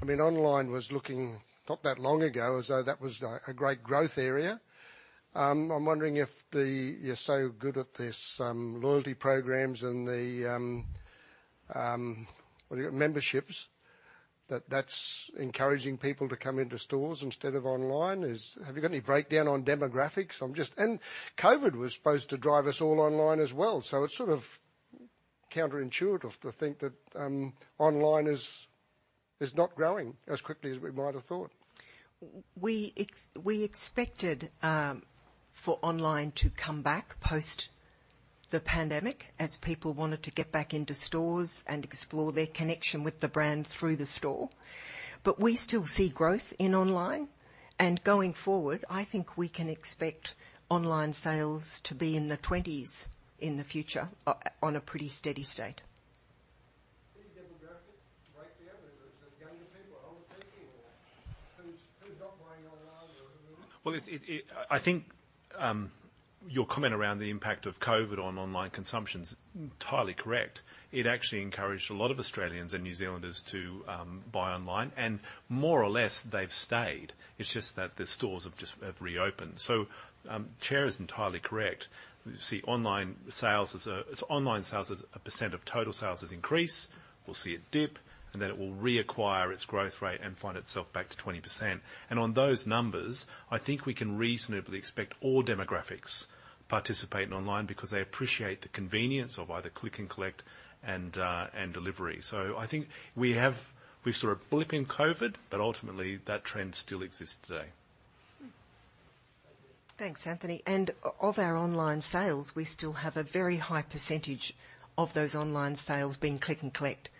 I mean, online was looking not that long ago as though that was a great growth area. I'm wondering if the you're so good at this loyalty programs and the what do you memberships that that's encouraging people to come into stores instead of online. Have you got any breakdown on demographics? I'm just... And COVID was supposed to drive us all online as well, so it's sort of counterintuitive to think that online is not growing as quickly as we might have thought. We expected for online to come back post the pandemic, as people wanted to get back into stores and explore their connection with the brand through the store. But we still see growth in online, and going forward, I think we can expect online sales to be in the 20s in the future, on a pretty steady state. Any demographic breakdown? Is it younger people or older people, or who's, who's not buying online, or who is? Well, I think your comment around the impact of COVID on online consumption is entirely correct. It actually encouraged a lot of Australians and New Zealanders to buy online, and more or less, they've stayed. It's just that the stores have reopened. So, Chair is entirely correct. We see online sales as online sales as a percent of total sales has increased. We'll see it dip, and then it will reacquire its growth rate and find itself back to 20%. And on those numbers, I think we can reasonably expect all demographics participating online because they appreciate the convenience of either click and collect and delivery. So I think we have a sort of blip in COVID, but ultimately, that trend still exists today. Thanks, Anthony. And of our online sales, we still have a very high percentage of those online sales being click and collect.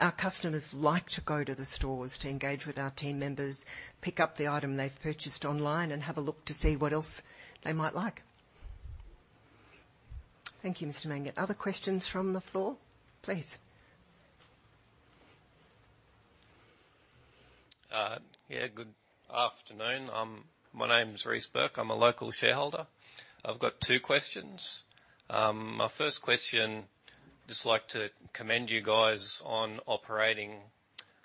Our customers like to go to the stores to engage with our team members, pick up the item they've purchased online, and have a look to see what else they might like. Thank you, Mr. Mannion. Other questions from the floor? Please. Yeah, good afternoon. My name is Reece Burke. I'm a local shareholder. I've got two questions. My first question, just like to commend you guys on operating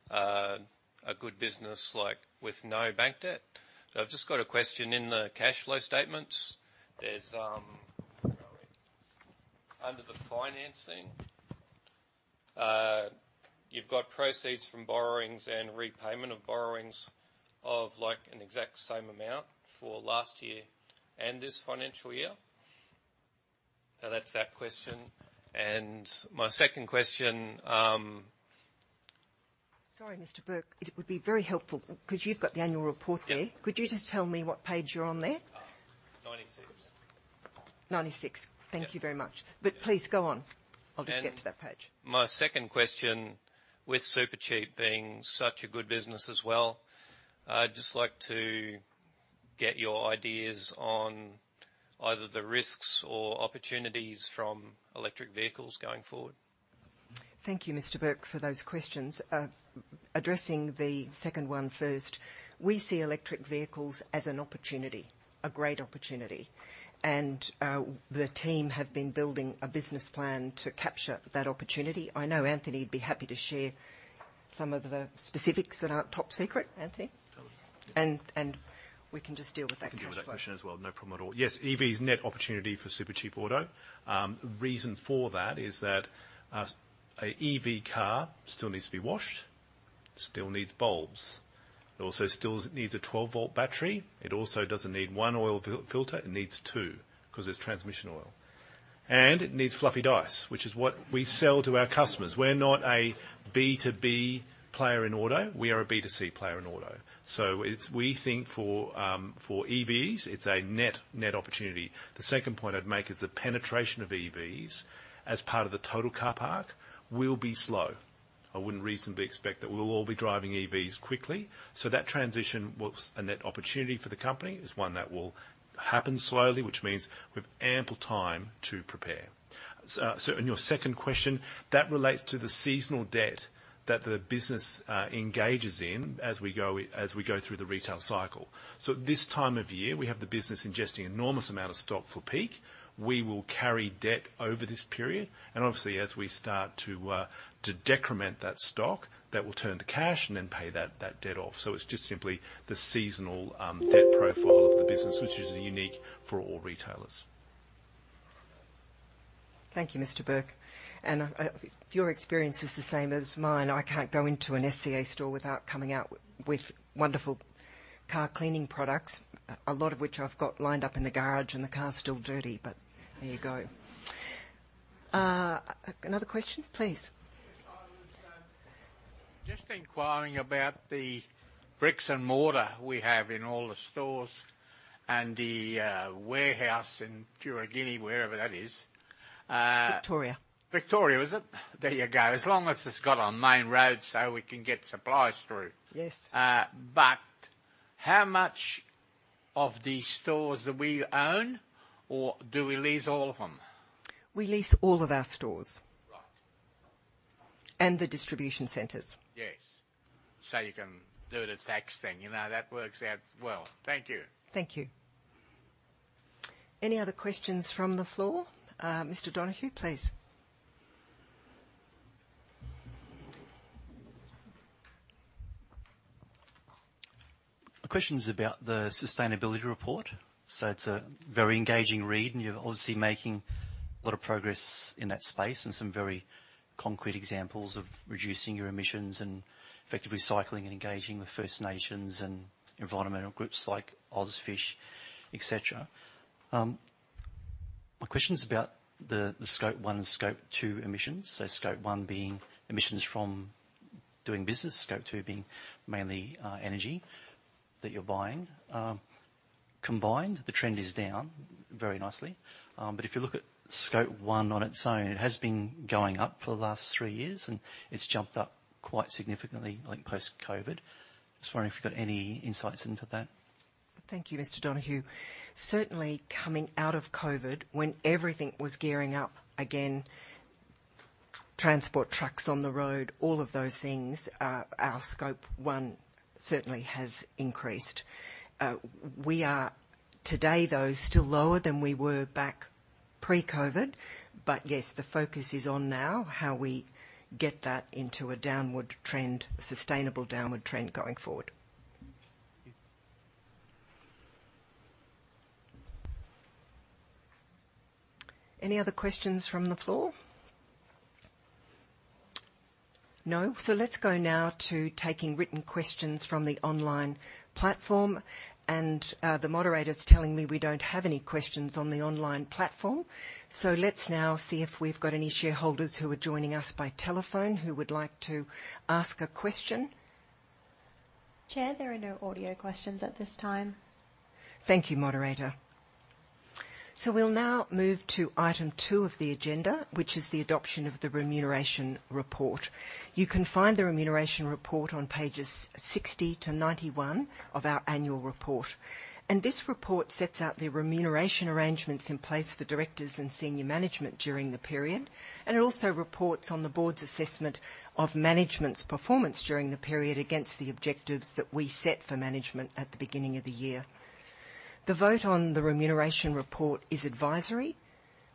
a good business, like with no bank debt. So I've just got a question in the cash flow statement. There's under the financing, you've got proceeds from borrowings and repayment of borrowings of like an exact same amount for last year and this financial year. Now, that's that question. And my second question, Sorry, Mr. Burke, it would be very helpful, because you've got the annual report there. Yep. Could you just tell me what page you're on there? Uh, ninety-six. Ninety-six. Yeah. Thank you very much. Yeah. But please, go on. I'll just get to that page. My second question, with Supercheap being such a good business as well, I'd just like to get your ideas on either the risks or opportunities from electric vehicles going forward? Thank you, Mr. Burke, for those questions. Addressing the second one first, we see electric vehicles as an opportunity, a great opportunity, and the team have been building a business plan to capture that opportunity. I know Anthony would be happy to share some of the specifics that aren't top secret. Anthony? Totally. We can just deal with that cash flow. We can deal with that question as well. No problem at all. Yes, EV's net opportunity for Supercheap Auto. The reason for that is that a EV car still needs to be washed, still needs bulbs. It also still needs a 12 V battery. It also doesn't need one oil filter, it needs two, 'cause there's transmission oil. And it needs fluffy dice, which is what we sell to our customers. We're not a B2B player in auto, we are a B2C player in auto. So it's, we think for, for EVs, it's a net, net opportunity. The second point I'd make is the penetration of EVs as part of the total car park will be slow.... I wouldn't reasonably expect that we'll all be driving EVs quickly. So that transition was a net opportunity for the company, is one that will happen slowly, which means we've ample time to prepare. So on your second question, that relates to the seasonal debt that the business engages in as we go through the retail cycle. So at this time of year, we have the business ingesting enormous amount of stock for peak. We will carry debt over this period, and obviously, as we start to decrement that stock, that will turn to cash and then pay that debt off. So it's just simply the seasonal debt profile of the business, which is unique for all retailers. Thank you, Mr. Burke. If your experience is the same as mine, I can't go into an SCA store without coming out with, with wonderful car cleaning products, a lot of which I've got lined up in the garage, and the car's still dirty, but there you go. Another question, please? Yes, I was just inquiring about the bricks and mortar we have in all the stores and the warehouse in Truganina, wherever that is. Victoria. Victoria, is it? There you go. As long as it's got on main road, so we can get supplies through. Yes. How much of the stores that we own, or do we lease all of them? We lease all of our stores. Right. The distribution centers. Yes. So you can do the tax thing, you know. That works out well. Thank you. Thank you. Any other questions from the floor? Mr. Donohue, please. My question is about the sustainability report. It's a very engaging read, and you're obviously making a lot of progress in that space, and some very concrete examples of reducing your emissions and effective recycling and engaging with First Nations and environmental groups like OzFish, et cetera. My question is about the Scope 1 and Scope 2 emissions. Scope 1 being emissions from doing business, Scope 2 being mainly energy that you're buying. Combined, the trend is down very nicely. If you look at Scope 1 on its own, it has been going up for the last three years, and it's jumped up quite significantly, like post-COVID. Just wondering if you've got any insights into that? Thank you, Mr. Donohue. Certainly, coming out of COVID, when everything was gearing up again, transport trucks on the road, all of those things, our Scope 1 certainly has increased. We are today, though, still lower than we were back pre-COVID, but yes, the focus is on now, how we get that into a downward trend, a sustainable downward trend going forward. Thank you. Any other questions from the floor? No. So let's go now to taking written questions from the online platform, and, the moderator's telling me we don't have any questions on the online platform. So let's now see if we've got any shareholders who are joining us by telephone, who would like to ask a question. Chair, there are no audio questions at this time. Thank you, moderator. So we'll now move to item two of the agenda, which is the adoption of the remuneration report. You can find the remuneration report on pages 60-91 of our annual report. This report sets out the remuneration arrangements in place for directors and senior management during the period, and it also reports on the board's assessment of management's performance during the period against the objectives that we set for management at the beginning of the year. The vote on the remuneration report is advisory.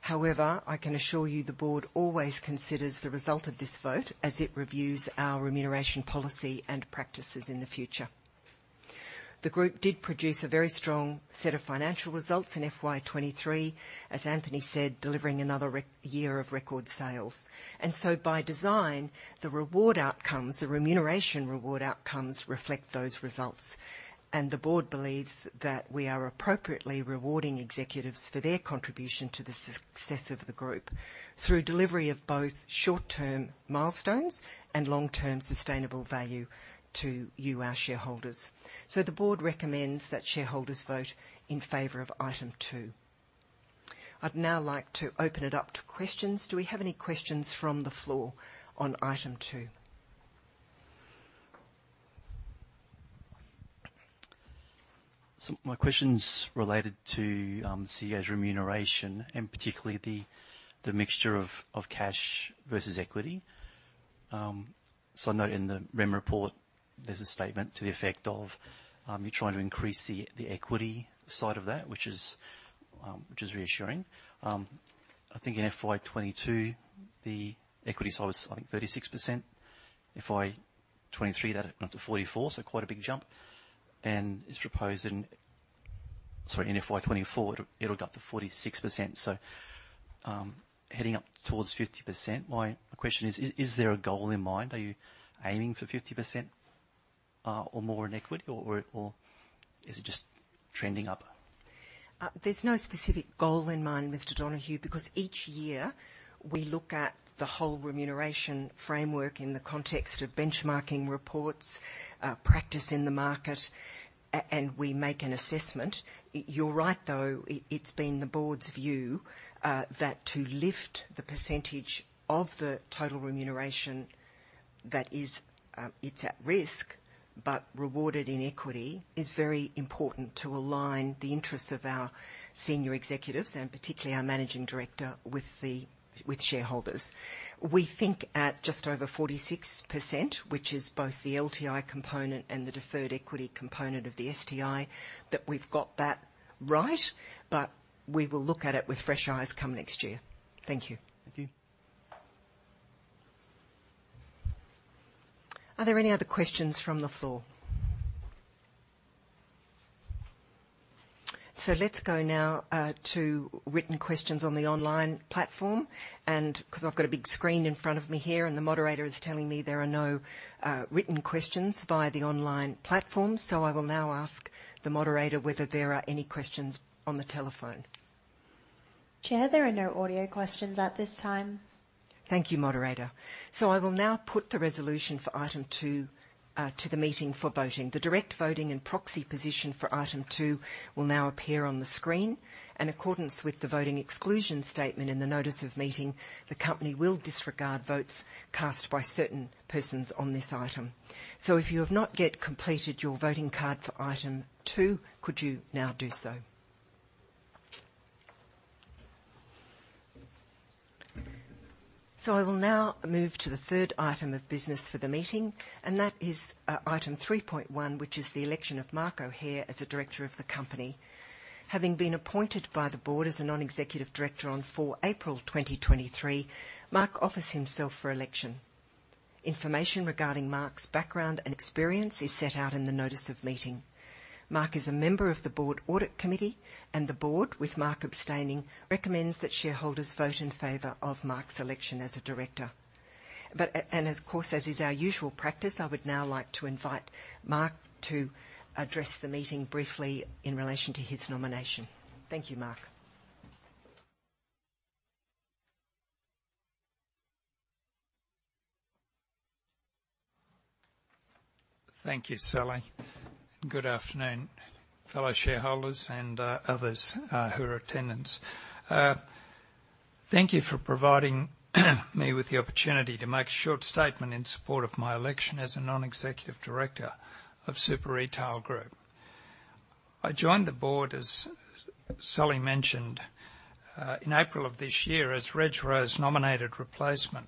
However, I can assure you, the board always considers the result of this vote as it reviews our remuneration policy and practices in the future. The group did produce a very strong set of financial results in FY 2023, as Anthony said, delivering another record year of record sales. And so by design, the reward outcomes, the remuneration reward outcomes reflect those results. And the board believes that we are appropriately rewarding executives for their contribution to the success of the group through delivery of both short-term milestones and long-term sustainable value to you, our shareholders. So the board recommends that shareholders vote in favor of item two. I'd now like to open it up to questions. Do we have any questions from the floor on item two? So my question's related to CEO's remuneration, and particularly the mixture of cash versus equity. So I know in the REM report, there's a statement to the effect of you're trying to increase the equity side of that, which is reassuring. I think in FY 2022, the equity side was, I think, 36%. FY 2023, that went up to 44%, so quite a big jump, and it's proposed in... Sorry, in FY 2024, it'll go up to 46%. So heading up towards 50%. My question is: Is there a goal in mind? Are you aiming for 50% or more in equity, or is it just trending up? There's no specific goal in mind, Mr. Donohue, because each year we look at the whole remuneration framework in the context of benchmarking reports, practice in the market, and we make an assessment. You're right, though, it's been the board's view that to lift the percentage of the total remuneration, that is, it's at risk, but rewarded in equity, is very important to align the interests of our senior executives and particularly our Managing Director, with shareholders. We think at just over 46%, which is both the LTI component and the deferred equity component of the STI, that we've got that right, but we will look at it with fresh eyes come next year. Thank you. Thank you. Are there any other questions from the floor? So let's go now to written questions on the online platform, and because I've got a big screen in front of me here, and the moderator is telling me there are no written questions via the online platform. So I will now ask the moderator whether there are any questions on the telephone. Chair, there are no audio questions at this time. Thank you, moderator. So I will now put the resolution for item two to the meeting for voting. The direct voting and proxy position for item two will now appear on the screen. In accordance with the voting exclusion statement in the notice of meeting, the company will disregard votes cast by certain persons on this item. So if you have not yet completed your voting card for item two, could you now do so? So I will now move to the third item of business for the meeting, and that is item 3.1, which is the election of Mark O'Hare as a Director of the company. Having been appointed by the board as a non-executive director on 4 April 2023, Mark offers himself for election. Information regarding Mark's background and experience is set out in the notice of meeting. Mark is a member of the Board Audit Committee, and the board, with Mark abstaining, recommends that shareholders vote in favor of Mark's election as a Director. And of course, as is our usual practice, I would now like to invite Mark to address the meeting briefly in relation to his nomination. Thank you, Mark. Thank you, Sally. Good afternoon, fellow shareholders and, others, who are in attendance. Thank you for providing me with the opportunity to make a short statement in support of my election as a non-executive director of Super Retail Group. I joined the board, as Sally mentioned, in April of this year, as Reg Rowe's nominated replacement,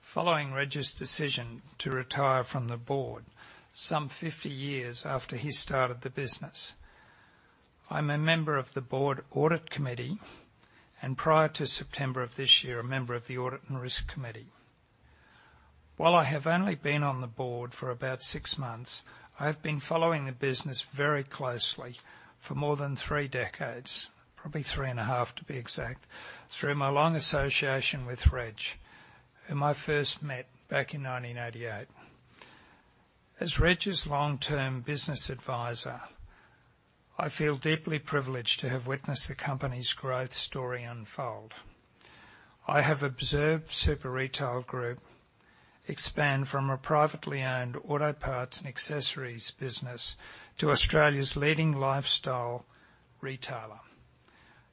following Reg's decision to retire from the board some 50 years after he started the business. I'm a member of the Board Audit Committee, and prior to September of this year, a member of the Audit and Risk Committee. While I have only been on the board for about six months, I have been following the business very closely for more than three decades, probably three and a half, to be exact, through my long association with Reg, whom I first met back in 1988. As Reg's long-term business advisor, I feel deeply privileged to have witnessed the company's growth story unfold. I have observed Super Retail Group expand from a privately owned auto parts and accessories business to Australia's leading lifestyle retailer,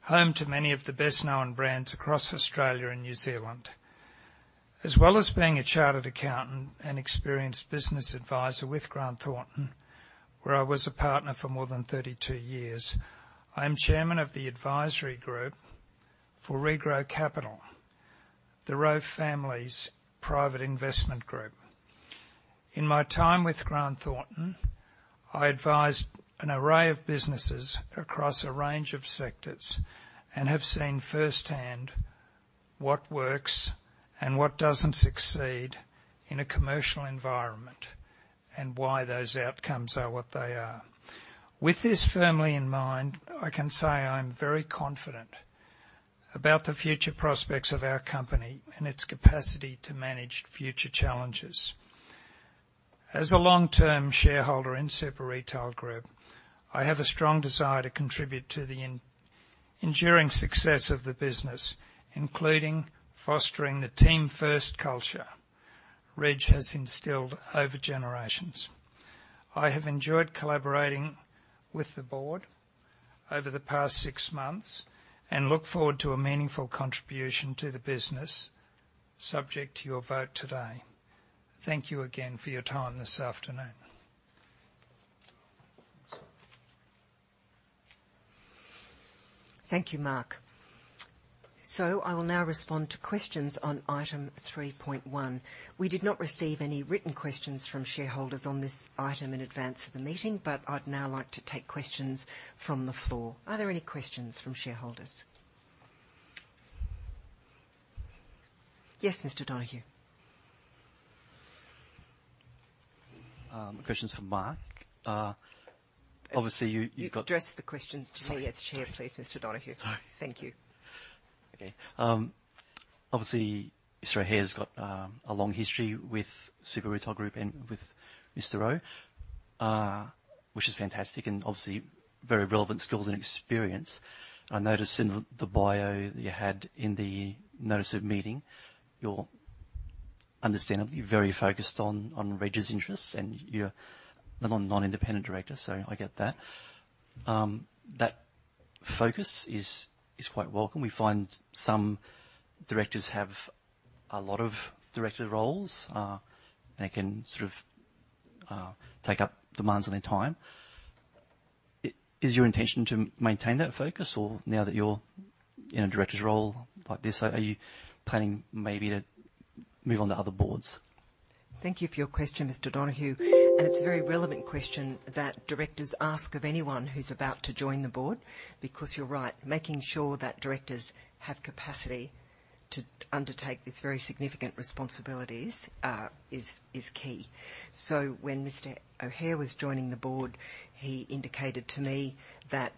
home to many of the best-known brands across Australia and New Zealand. As well as being a chartered accountant and experienced business advisor with Grant Thornton, where I was a partner for more than 32 years, I am chairman of the advisory group for Re-Grow Capital, the Rowe family's private investment group. In my time with Grant Thornton, I advised an array of businesses across a range of sectors and have seen firsthand what works and what doesn't succeed in a commercial environment, and why those outcomes are what they are. With this firmly in mind, I can say I'm very confident about the future prospects of our company and its capacity to manage future challenges. As a long-term shareholder in Super Retail Group, I have a strong desire to contribute to the enduring success of the business, including fostering the team first culture Reg has instilled over generations. I have enjoyed collaborating with the board over the past six months and look forward to a meaningful contribution to the business, subject to your vote today. Thank you again for your time this afternoon. Thank you, Mark. I will now respond to questions on item 3.1. We did not receive any written questions from shareholders on this item in advance of the meeting, but I'd now like to take questions from the floor. Are there any questions from shareholders? Yes, Mr. Donohue. Questions for Mark. Obviously, you've got- Address the questions to me as chair, please, Mr. Donohue. Sorry. Thank you. Okay, obviously, Mr. O'Hare's got a long history with Super Retail Group and with Mr. Rowe, which is fantastic and obviously very relevant skills and experience. I noticed in the bio that you had in the notice of meeting, you're understandably very focused on Reg's interests, and you're a non-independent director, so I get that. That focus is quite welcome. We find some directors have a lot of director roles, they can sort of take up demands on their time. Is your intention to maintain that focus or now that you're in a director's role like this, are you planning maybe to move on to other boards? Thank you for your question, Mr. Donohue, and it's a very relevant question that directors ask of anyone who's about to join the board, because you're right, making sure that directors have capacity to undertake these very significant responsibilities is key. When Mr. O'Hare was joining the board, he indicated to me that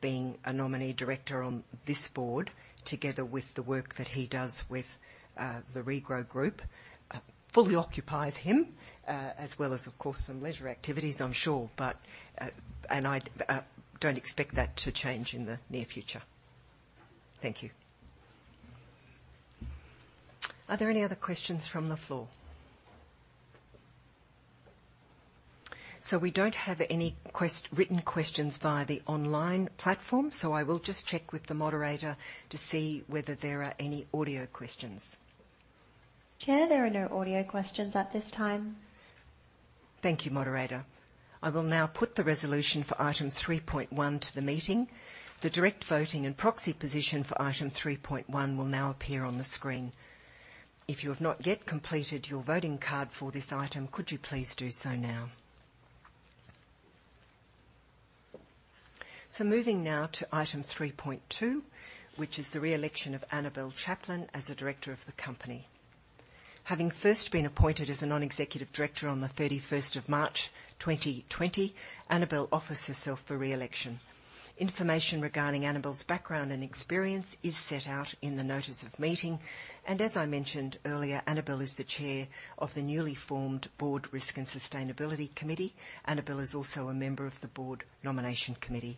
being a nominee director on this board, together with the work that he does with the Re-Grow Capital Group, fully occupies him, as well as, of course, some leisure activities, I'm sure. I don't expect that to change in the near future. Thank you. Are there any other questions from the floor? We don't have any written questions via the online platform, so I will just check with the moderator to see whether there are any audio questions. Chair, there are no audio questions at this time. Thank you, moderator. I will now put the resolution for item 3.1 to the meeting. The direct voting and proxy position for item 3.1 will now appear on the screen. If you have not yet completed your voting card for this item, could you please do so now? So moving now to item 3.2, which is the re-election of Annabelle Chaplain as a director of the company. Having first been appointed as a non-executive director on the 31st of March, 2020, Annabelle offers herself for re-election. Information regarding Annabelle's background and experience is set out in the notice of meeting, and as I mentioned earlier, Annabelle is the chair of the newly formed Board Risk and Sustainability Committee. Annabelle is also a member of the Board Nomination Committee.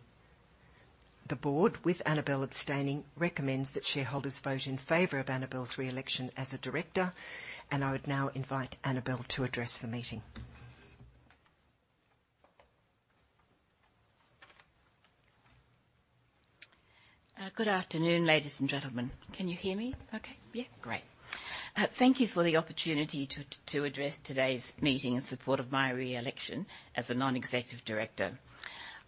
The board, with Annabelle abstaining, recommends that shareholders vote in favor of Annabelle's re-election as a director, and I would now invite Annabelle to address the meeting. Good afternoon, ladies and gentlemen. Can you hear me okay? Yeah. Great. Thank you for the opportunity to address today's meeting in support of my re-election as a non-executive director.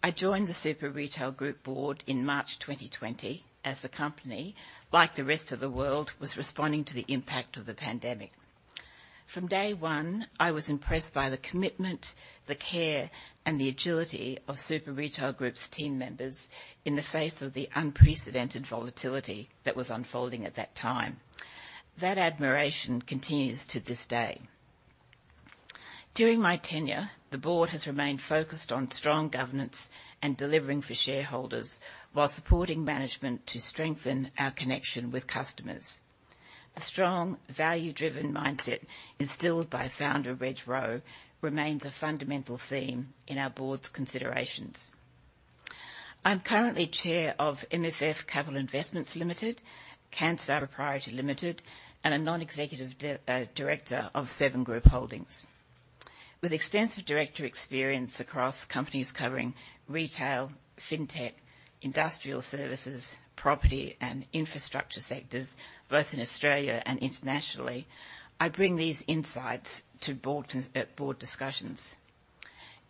I joined the Super Retail Group Board in March 2020 as the company, like the rest of the world, was responding to the impact of the pandemic. From day one, I was impressed by the commitment, the care, and the agility of Super Retail Group's team members in the face of the unprecedented volatility that was unfolding at that time. That admiration continues to this day. During my tenure, the board has remained focused on strong governance and delivering for shareholders while supporting management to strengthen our connection with customers. The strong, value-driven mindset instilled by founder Reg Rowe remains a fundamental theme in our board's considerations. I'm currently Chair of MFF Capital Investments Limited, Canstar Pty Ltd, and a Non-Executive Director of Seven Group Holdings. With extensive director experience across companies covering retail, fintech, industrial services, property, and infrastructure sectors, both in Australia and internationally, I bring these insights to board discussions.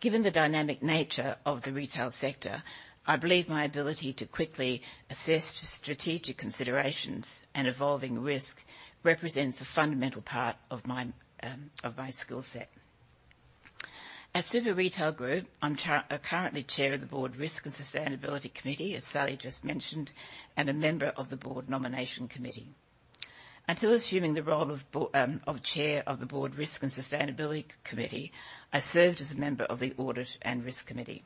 Given the dynamic nature of the retail sector, I believe my ability to quickly assess strategic considerations and evolving risk represents a fundamental part of my skill set. At Super Retail Group, I'm currently Chair of the Board Risk and Sustainability Committee, as Sally just mentioned, and a member of the Board Nomination Committee. Until assuming the role of Chair of the Board Risk and Sustainability Committee, I served as a member of the Audit and Risk Committee.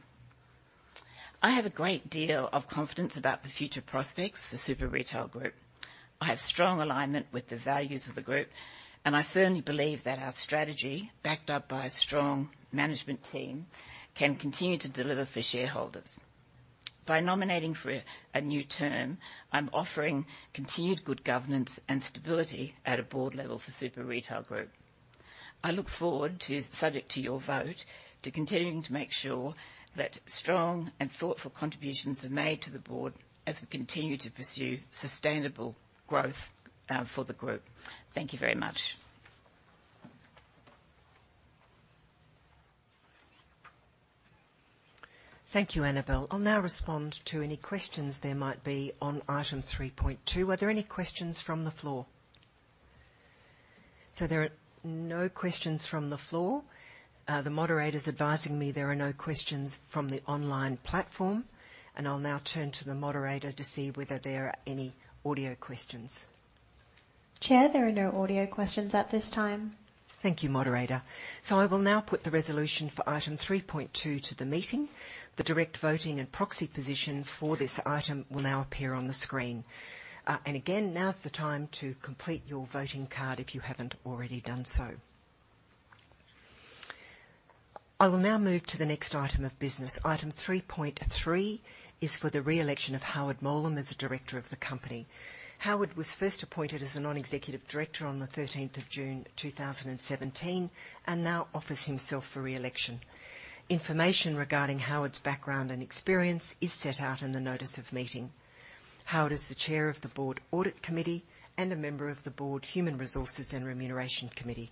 I have a great deal of confidence about the future prospects for Super Retail Group. I have strong alignment with the values of the group, and I firmly believe that our strategy, backed up by a strong management team, can continue to deliver for shareholders. By nominating for a new term, I'm offering continued good governance and stability at a board level for Super Retail Group. I look forward to, subject to your vote, to continuing to make sure that strong and thoughtful contributions are made to the board as we continue to pursue sustainable growth, for the group. Thank you very much. Thank you, Annabelle. I'll now respond to any questions there might be on item 3.2. Are there any questions from the floor? So there are no questions from the floor. The moderator's advising me there are no questions from the online platform, and I'll now turn to the moderator to see whether there are any audio questions. Chair, there are no audio questions at this time. Thank you, moderator. So I will now put the resolution for item 3.2 to the meeting. The direct voting and proxy position for this item will now appear on the screen. And again, now's the time to complete your voting card, if you haven't already done so. I will now move to the next item of business. Item 3.3 is for the re-election of Howard Mowlem as a director of the company. Howard was first appointed as a non-executive director on the 13th of June, 2017, and now offers himself for re-election. Information regarding Howard's background and experience is set out in the notice of meeting. Howard is the chair of the Board Audit Committee and a member of the Board Human Resources and Remuneration Committee.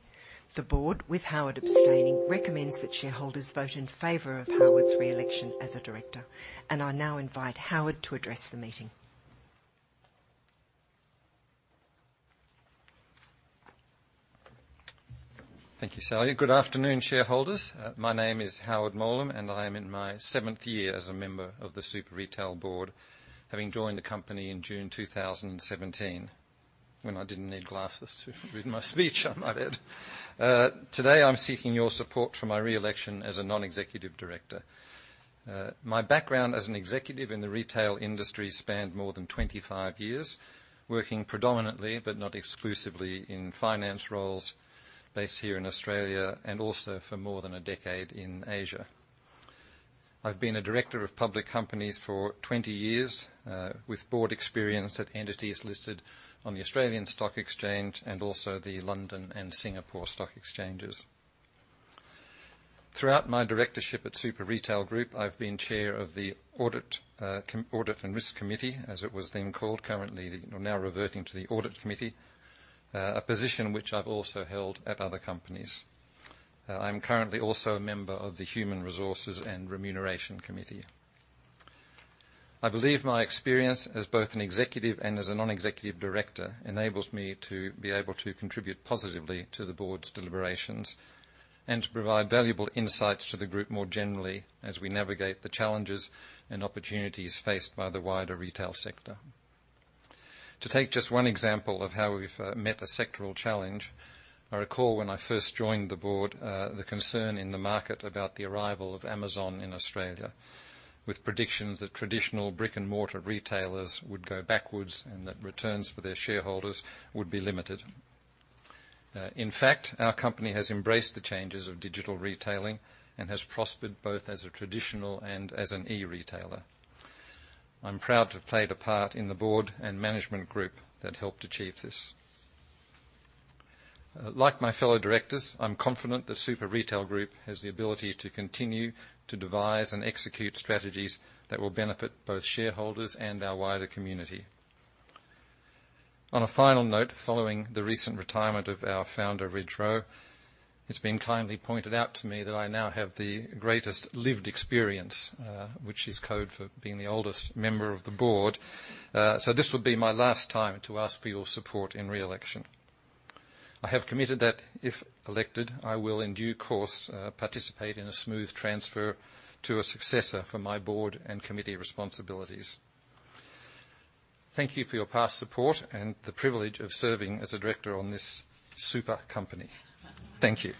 The board, with Howard abstaining, recommends that shareholders vote in favor of Howard's reelection as a director, and I now invite Howard to address the meeting. Thank you, Sally. Good afternoon, shareholders. My name is Howard Mowlem, and I am in my seventh year as a member of the Super Retail Board, having joined the company in June 2017, when I didn't need glasses to read my speech, I might add. Today, I'm seeking your support for my reelection as a non-executive director. My background as an executive in the retail industry spanned more than 25 years, working predominantly, but not exclusively, in finance roles based here in Australia and also for more than a decade in Asia. I've been a director of public companies for 20 years, with board experience at entities listed on the Australian Stock Exchange and also the London and Singapore Stock Exchanges. Throughout my directorship at Super Retail Group, I've been chair of the Audit and Risk Committee, as it was then called, currently, now reverting to the Audit Committee, a position which I've also held at other companies. I'm currently also a member of the Human Resources and Remuneration Committee. I believe my experience as both an executive and as a non-executive director enables me to be able to contribute positively to the board's deliberations and to provide valuable insights to the group more generally, as we navigate the challenges and opportunities faced by the wider retail sector. To take just one example of how we've met a sectoral challenge, I recall when I first joined the board, the concern in the market about the arrival of Amazon in Australia, with predictions that traditional brick-and-mortar retailers would go backwards and that returns for their shareholders would be limited. In fact, our company has embraced the changes of digital retailing and has prospered both as a traditional and as an e-retailer. I'm proud to have played a part in the board and management group that helped achieve this. Like my fellow directors, I'm confident that Super Retail Group has the ability to continue to devise and execute strategies that will benefit both shareholders and our wider community. On a final note, following the recent retirement of our founder, Reg Rowe, it's been kindly pointed out to me that I now have the greatest lived experience, which is code for being the oldest member of the board. So this will be my last time to ask for your support in reelection. I have committed that, if elected, I will, in due course, participate in a smooth transfer to a successor for my board and committee responsibilities. Thank you for your past support and the privilege of serving as a director on this super company. Thank you.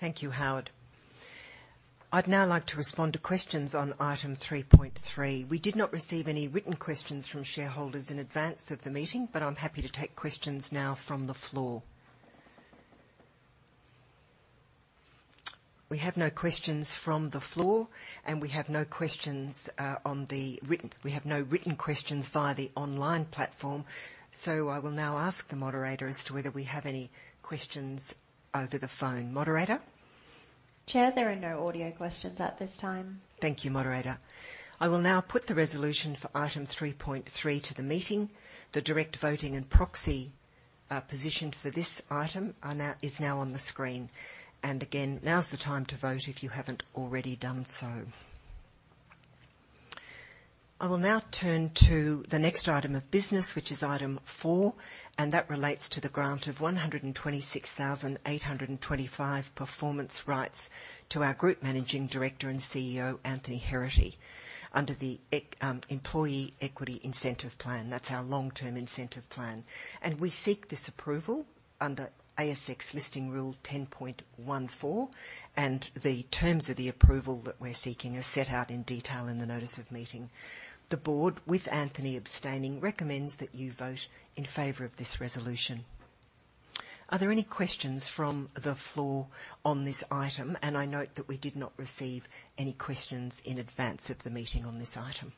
Thank you, Howard. I'd now like to respond to questions on item 3.3. We did not receive any written questions from shareholders in advance of the meeting, but I'm happy to take questions now from the floor. We have no questions from the floor, and we have no questions on the written. We have no written questions via the online platform, so I will now ask the moderator as to whether we have any questions over the phone. Moderator? Chair, there are no audio questions at this time. Thank you, moderator. I will now put the resolution for item 3.3 to the meeting. The direct voting and proxy position for this item is now on the screen. Again, now is the time to vote if you haven't already done so. I will now turn to the next item of business, which is item 4, and that relates to the grant of 126,825 performance rights to our Group Managing Director and CEO, Anthony Heraghty, under the Employee Equity Incentive Plan. That's our long-term incentive plan, and we seek this approval under ASX Listing Rule 10.14, and the terms of the approval that we're seeking are set out in detail in the notice of meeting. The board, with Anthony abstaining, recommends that you vote in favor of this resolution. Are there any questions from the floor on this item? I note that we did not receive any questions in advance of the meeting on this item.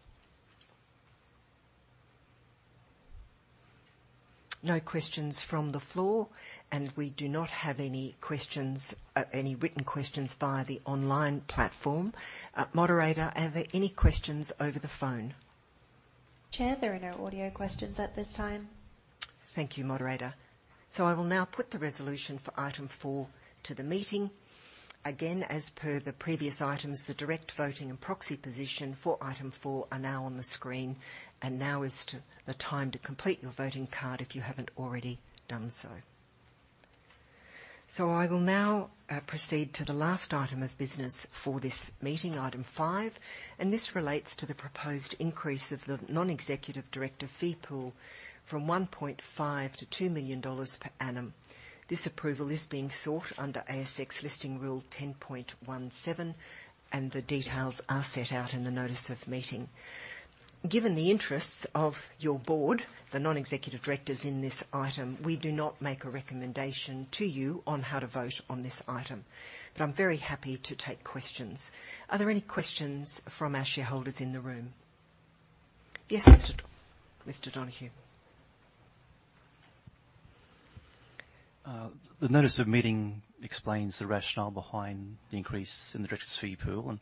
No questions from the floor, and we do not have any questions, any written questions via the online platform. Moderator, are there any questions over the phone? Chair, there are no audio questions at this time. Thank you, moderator. So I will now put the resolution for item four to the meeting. Again, as per the previous items, the direct voting and proxy position for item four are now on the screen, and now is to, the time to complete your voting card, if you haven't already done so. So I will now proceed to the last item of business for this meeting, item five, and this relates to the proposed increase of the non-executive director fee pool from 1.5 million-2 million dollars per annum. This approval is being sought under ASX Listing Rule 10.17, and the details are set out in the notice of meeting. Given the interests of your board, the non-executive directors in this item, we do not make a recommendation to you on how to vote on this item, but I'm very happy to take questions. Are there any questions from our shareholders in the room?... Yes, Mr. Donohue? The notice of meeting explains the rationale behind the increase in the director's fee pool, and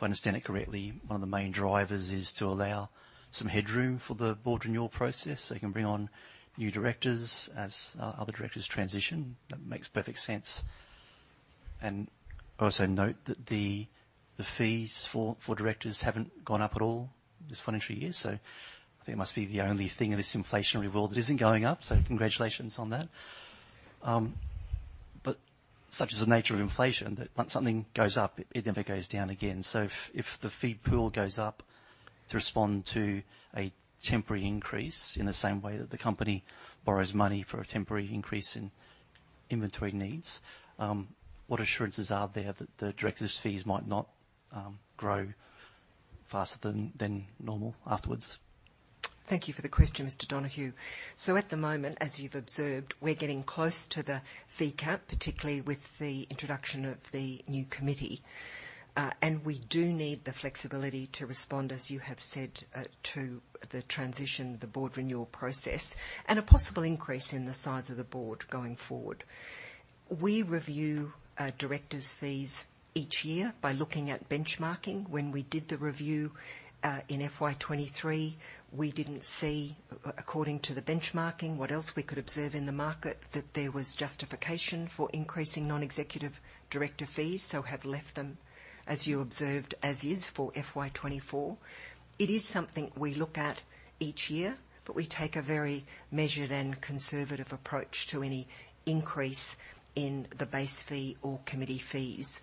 if I understand it correctly, one of the main drivers is to allow some headroom for the board renewal process, so you can bring on new directors as other directors transition. That makes perfect sense. And I also note that the fees for directors haven't gone up at all this financial year, so I think it must be the only thing in this inflationary world that isn't going up, so congratulations on that. But such as the nature of inflation, that once something goes up, it never goes down again. If the fee pool goes up to respond to a temporary increase, in the same way that the company borrows money for a temporary increase in inventory needs, what assurances are there that the directors' fees might not grow faster than normal afterwards? Thank you for the question, Mr. Donohue. At the moment, as you've observed, we're getting close to the fee cap, particularly with the introduction of the new committee. We do need the flexibility to respond, as you have said, to the transition, the board renewal process, and a possible increase in the size of the board going forward. We review our directors' fees each year by looking at benchmarking. When we did the review in FY 2023, we didn't see, according to the benchmarking, what else we could observe in the market, that there was justification for increasing non-executive director fees, so have left them, as you observed, as is for FY 2024. It is something we look at each year, but we take a very measured and conservative approach to any increase in the base fee or committee fees.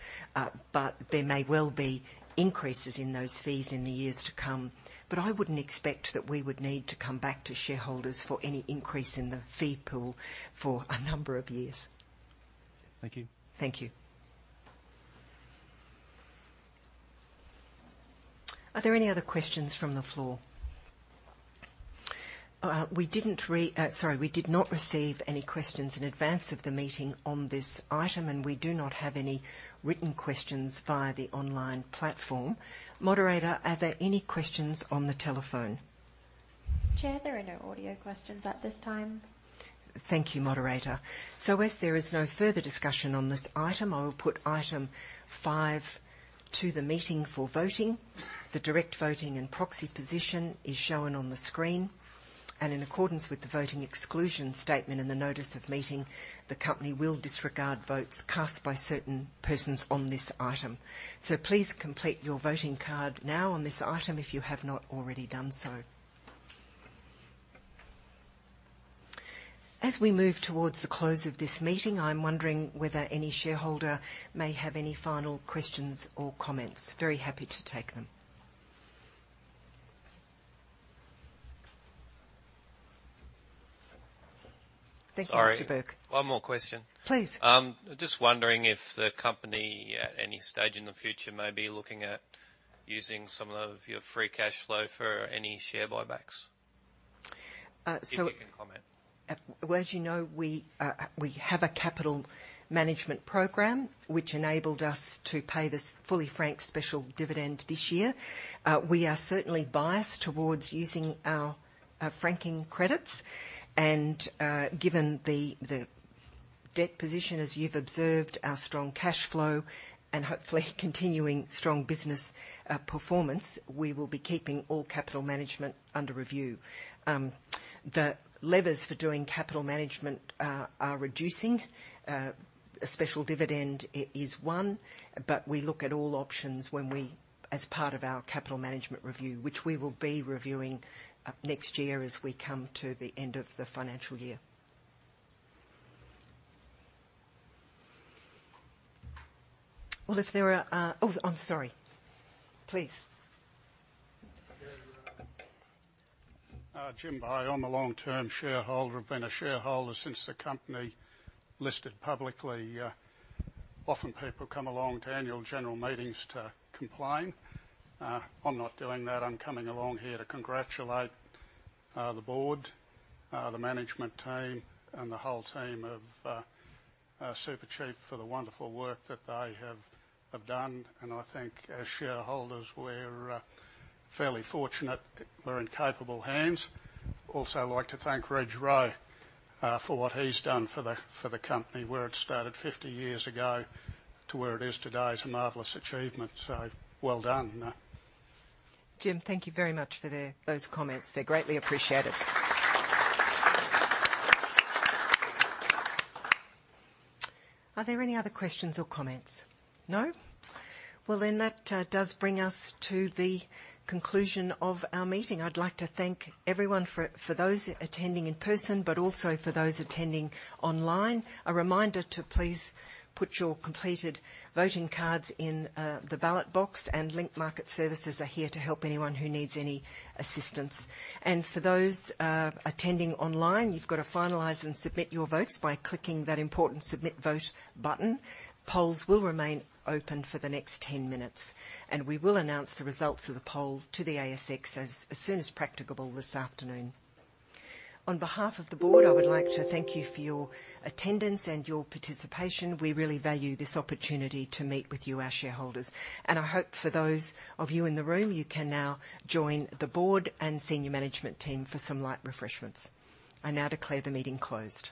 But there may well be increases in those fees in the years to come, but I wouldn't expect that we would need to come back to shareholders for any increase in the fee pool for a number of years. Thank you. Thank you. Are there any other questions from the floor? We did not receive any questions in advance of the meeting on this item, and we do not have any written questions via the online platform. Moderator, are there any questions on the telephone? Chair, there are no audio questions at this time. Thank you, moderator. So as there is no further discussion on this item, I will put item five to the meeting for voting. The direct voting and proxy position is shown on the screen, and in accordance with the voting exclusion statement and the notice of meeting, the company will disregard votes cast by certain persons on this item. So please complete your voting card now on this item, if you have not already done so. As we move towards the close of this meeting, I'm wondering whether any shareholder may have any final questions or comments. Very happy to take them. Thank you, Mr. Burke. Sorry, one more question. Please. Just wondering if the company, at any stage in the future, may be looking at using some of your free cash flow for any share buybacks? Uh, so- If you can comment. Well, as you know, we have a capital management program which enabled us to pay this fully franked special dividend this year. We are certainly biased towards using our franking credits. Given the debt position, as you've observed, our strong cash flow and hopefully continuing strong business performance, we will be keeping all capital management under review. The levers for doing capital management are reducing. A special dividend is one, but we look at all options as part of our capital management review, which we will be reviewing next year as we come to the end of the financial year. Well, if there are... Oh, I'm sorry. Please. Jim Bay, I'm a long-term shareholder. I've been a shareholder since the company listed publicly. Often people come along to annual general meetings to complain. I'm not doing that. I'm coming along here to congratulate the board, the management team, and the whole team of Supercheap for the wonderful work that they have done. And I think as shareholders, we're fairly fortunate. We're in capable hands. Also, I'd like to thank Reg Rowe for what he's done for the company. Where it started 50 years ago to where it is today is a marvelous achievement, so well done. Jim, thank you very much for those comments. They're greatly appreciated. Are there any other questions or comments? No. Well, then that does bring us to the conclusion of our meeting. I'd like to thank everyone for those attending in person, but also for those attending online. A reminder to please put your completed voting cards in the ballot box, and Link Market Services are here to help anyone who needs any assistance. And for those attending online, you've got to finalize and submit your votes by clicking that important Submit Vote button. Polls will remain open for the next 10 minutes, and we will announce the results of the poll to the ASX as soon as practicable this afternoon. On behalf of the board, I would like to thank you for your attendance and your participation. We really value this opportunity to meet with you, our shareholders, and I hope for those of you in the room, you can now join the board and senior management team for some light refreshments. I now declare the meeting closed.